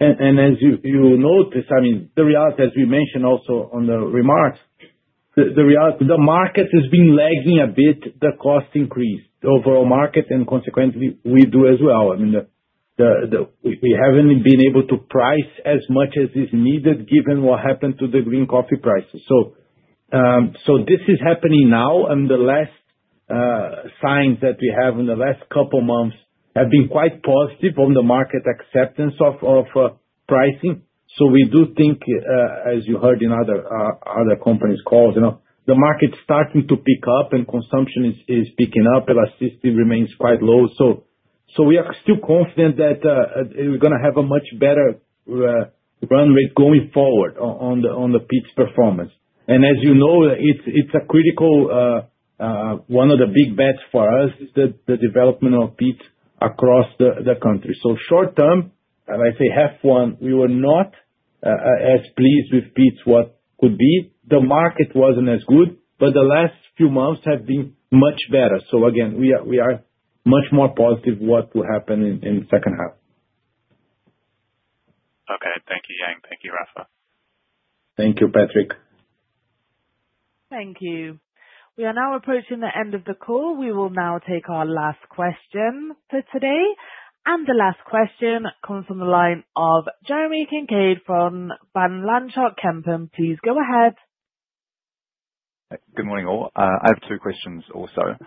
And as you noticed, I mean, the reality, as we mentioned also on the remarks. The market has been lagging a bit, the cost increase, the overall market, and consequently, we do as well. I mean. We have not been able to price as much as is needed given what happened to the green coffee prices. This is happening now, and the last. Signs that we have in the last couple of months have been quite positive on the market acceptance of pricing. We do think, as you heard in other. Companies' calls, the market is starting to pick up, and consumption is picking up. Elasticity remains quite low. We are still confident that we are going to have a much better. Run rate going forward on the Peet's performance. As you know, it is a critical. One of the big bets for us is the development of Peet's across the country. Short term, let us say half one, we were not. As pleased with Peet's what could be. The market was not as good, but the last few months have been much better. Again, we are much more positive what will happen in the second half. Okay. Thank you, Yang. Thank you, Rafa. Thank you, Patrick. Thank you. We are now approaching the end of the call. We will now take our last question for today. The last question comes from the line of Jeremy Kincaid from Van Lanschot Kempen. Please go ahead. Good morning, all. I have two questions also.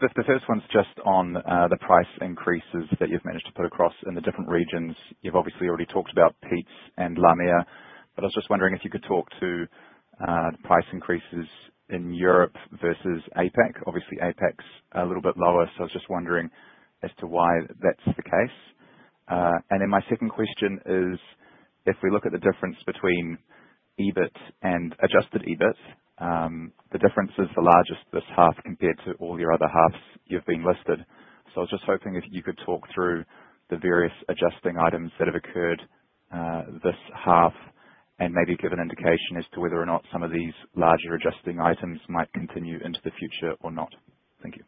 The first one is just on the price increases that you have managed to put across in the different regions. You have obviously already talked about Peet's and LAMEA, but I was just wondering if you could talk to. Price increases in Europe versus APAC. Obviously, APAC is a little bit lower, so I was just wondering as to why that is the case. My second question is, if we look at the difference between. EBIT and adjusted EBIT, the difference is the largest this half compared to all your other halves you have been listed. I was just hoping if you could talk through the various adjusting items that have occurred. This half and maybe give an indication as to whether or not some of these larger adjusting items might continue into the future or not. Thank you.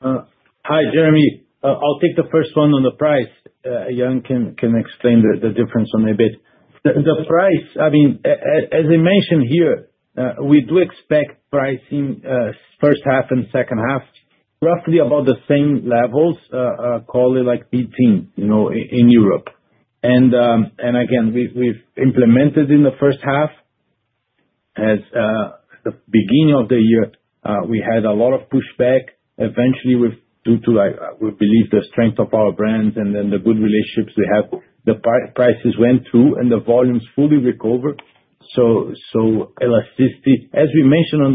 Hi, Jeremy. I will take the first one on the price. Yang can explain the difference on EBIT. The price, I mean, as I mentioned here, we do expect pricing first half and second half roughly about the same levels, call it like P18 in Europe. Again, we've implemented in the first half. At the beginning of the year, we had a lot of pushback. Eventually, due to, we believe, the strength of our brands and then the good relationships we have, the prices went through and the volumes fully recovered. Elasticity, as we mentioned on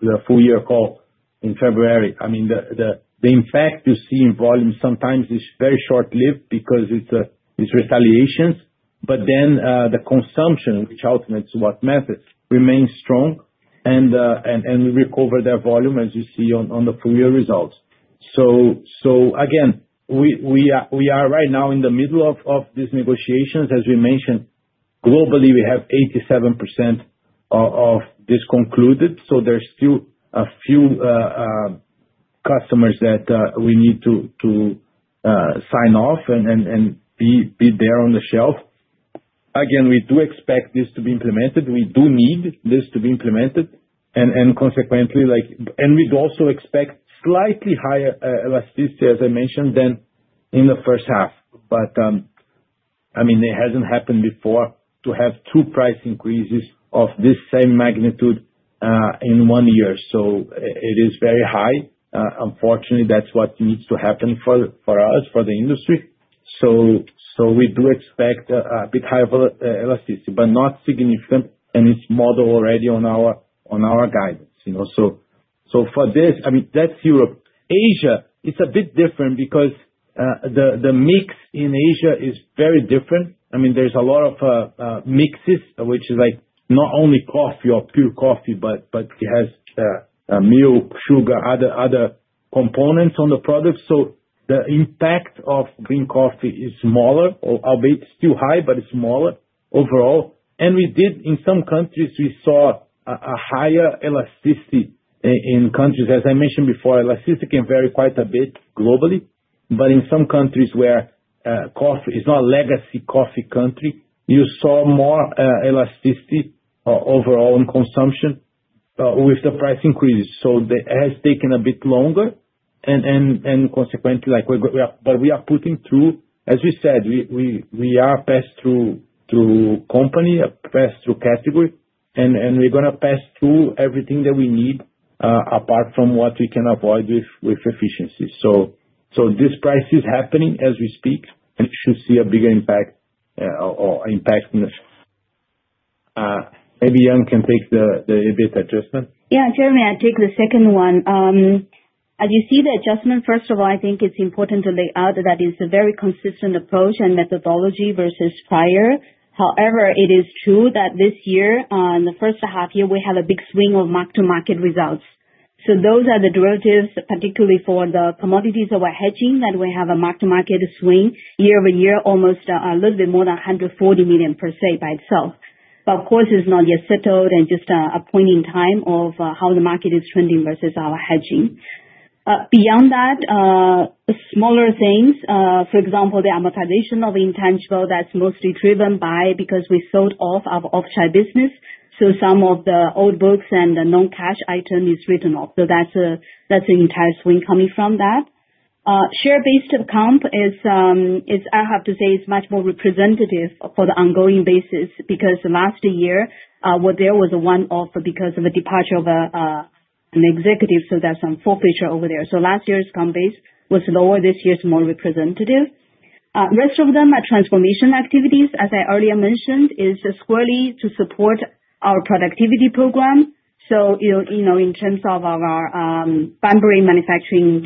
the full-year call in February, I mean, the impact you see in volume sometimes is very short-lived because it's retaliations. The consumption, which ultimately is what matters, remains strong, and we recover that volume, as you see on the full-year results. We are right now in the middle of these negotiations. As we mentioned, globally, we have 87% of this concluded. There's still a few customers that we need to sign off and be there on the shelf. We do expect this to be implemented. We do need this to be implemented. Consequently, we also expect slightly higher elasticity, as I mentioned, than in the first half. I mean, it hasn't happened before to have two price increases of this same magnitude in one year. It is very high. Unfortunately, that's what needs to happen for us, for the industry. We do expect a bit higher elasticity, but not significant, and it's modeled already on our guidance. For this, I mean, that's Europe. Asia, it's a bit different because the mix in Asia is very different. There's a lot of mixes, which is not only coffee or pure coffee, but it has milk, sugar, other components on the product. The impact of green coffee is smaller, albeit still high, but it's smaller overall. In some countries, we saw a higher elasticity in countries, as I mentioned before. Elasticity can vary quite a bit globally. In some countries where coffee is not a legacy coffee country, you saw more elasticity overall in consumption with the price increases. It has taken a bit longer. Consequently, we are putting through, as we said, we are a pass-through company, a pass-through category, and we're going to pass through everything that we need apart from what we can avoid with efficiency. This price is happening as we speak, and it should see a bigger impact. Maybe Yang can take the EBIT adjustment. Yeah, Jeremy, I'll take the second one. As you see the adjustment, first of all, I think it's important to lay out that it's a very consistent approach and methodology versus prior. However, it is true that this year, in the first half year, we had a big swing of mark-to-market results. Those are the derivatives, particularly for the commodities that we're hedging, that we have a mark-to-market swing year-over-year, almost a little bit more than 140 million per se by itself. Of course, it's not yet settled and just a point in time of how the market is trending versus our hedging. Beyond that, smaller things, for example, the amortization of intangible that's mostly driven by because we sold off our offshore business. Some of the old books and the non-cash item is written off. That's an entire swing coming from that. Share-based comp is, I have to say, much more representative for the ongoing basis because last year, there was a one-off because of a departure of an executive. That's some forfeiture over there. Last year's comp base was lower. This year's more representative. Rest of them are transformation activities, as I earlier mentioned, squarely to support our productivity program. In terms of our Banbury manufacturing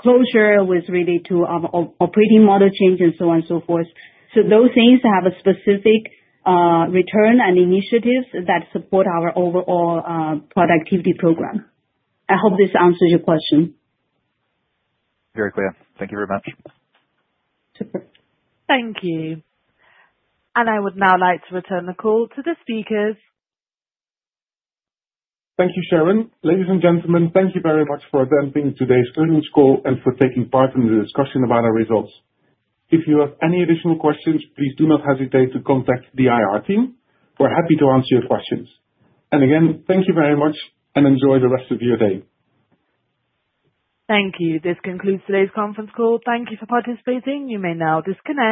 closure, it was related to our operating model change and so on and so forth. Those things have a specific return and initiatives that support our overall productivity program. I hope this answers your question. Very clear. Thank you very much. Super. Thank you. I would now like to return the call to the speakers. Thank you, Sharon. Ladies and gentlemen, thank you very much for attending today's earnings call and for taking part in the discussion about our results. If you have any additional questions, please do not hesitate to contact the IR team. We're happy to answer your questions. Again, thank you very much and enjoy the rest of your day. Thank you. This concludes today's conference call. Thank you for participating. You may now disconnect.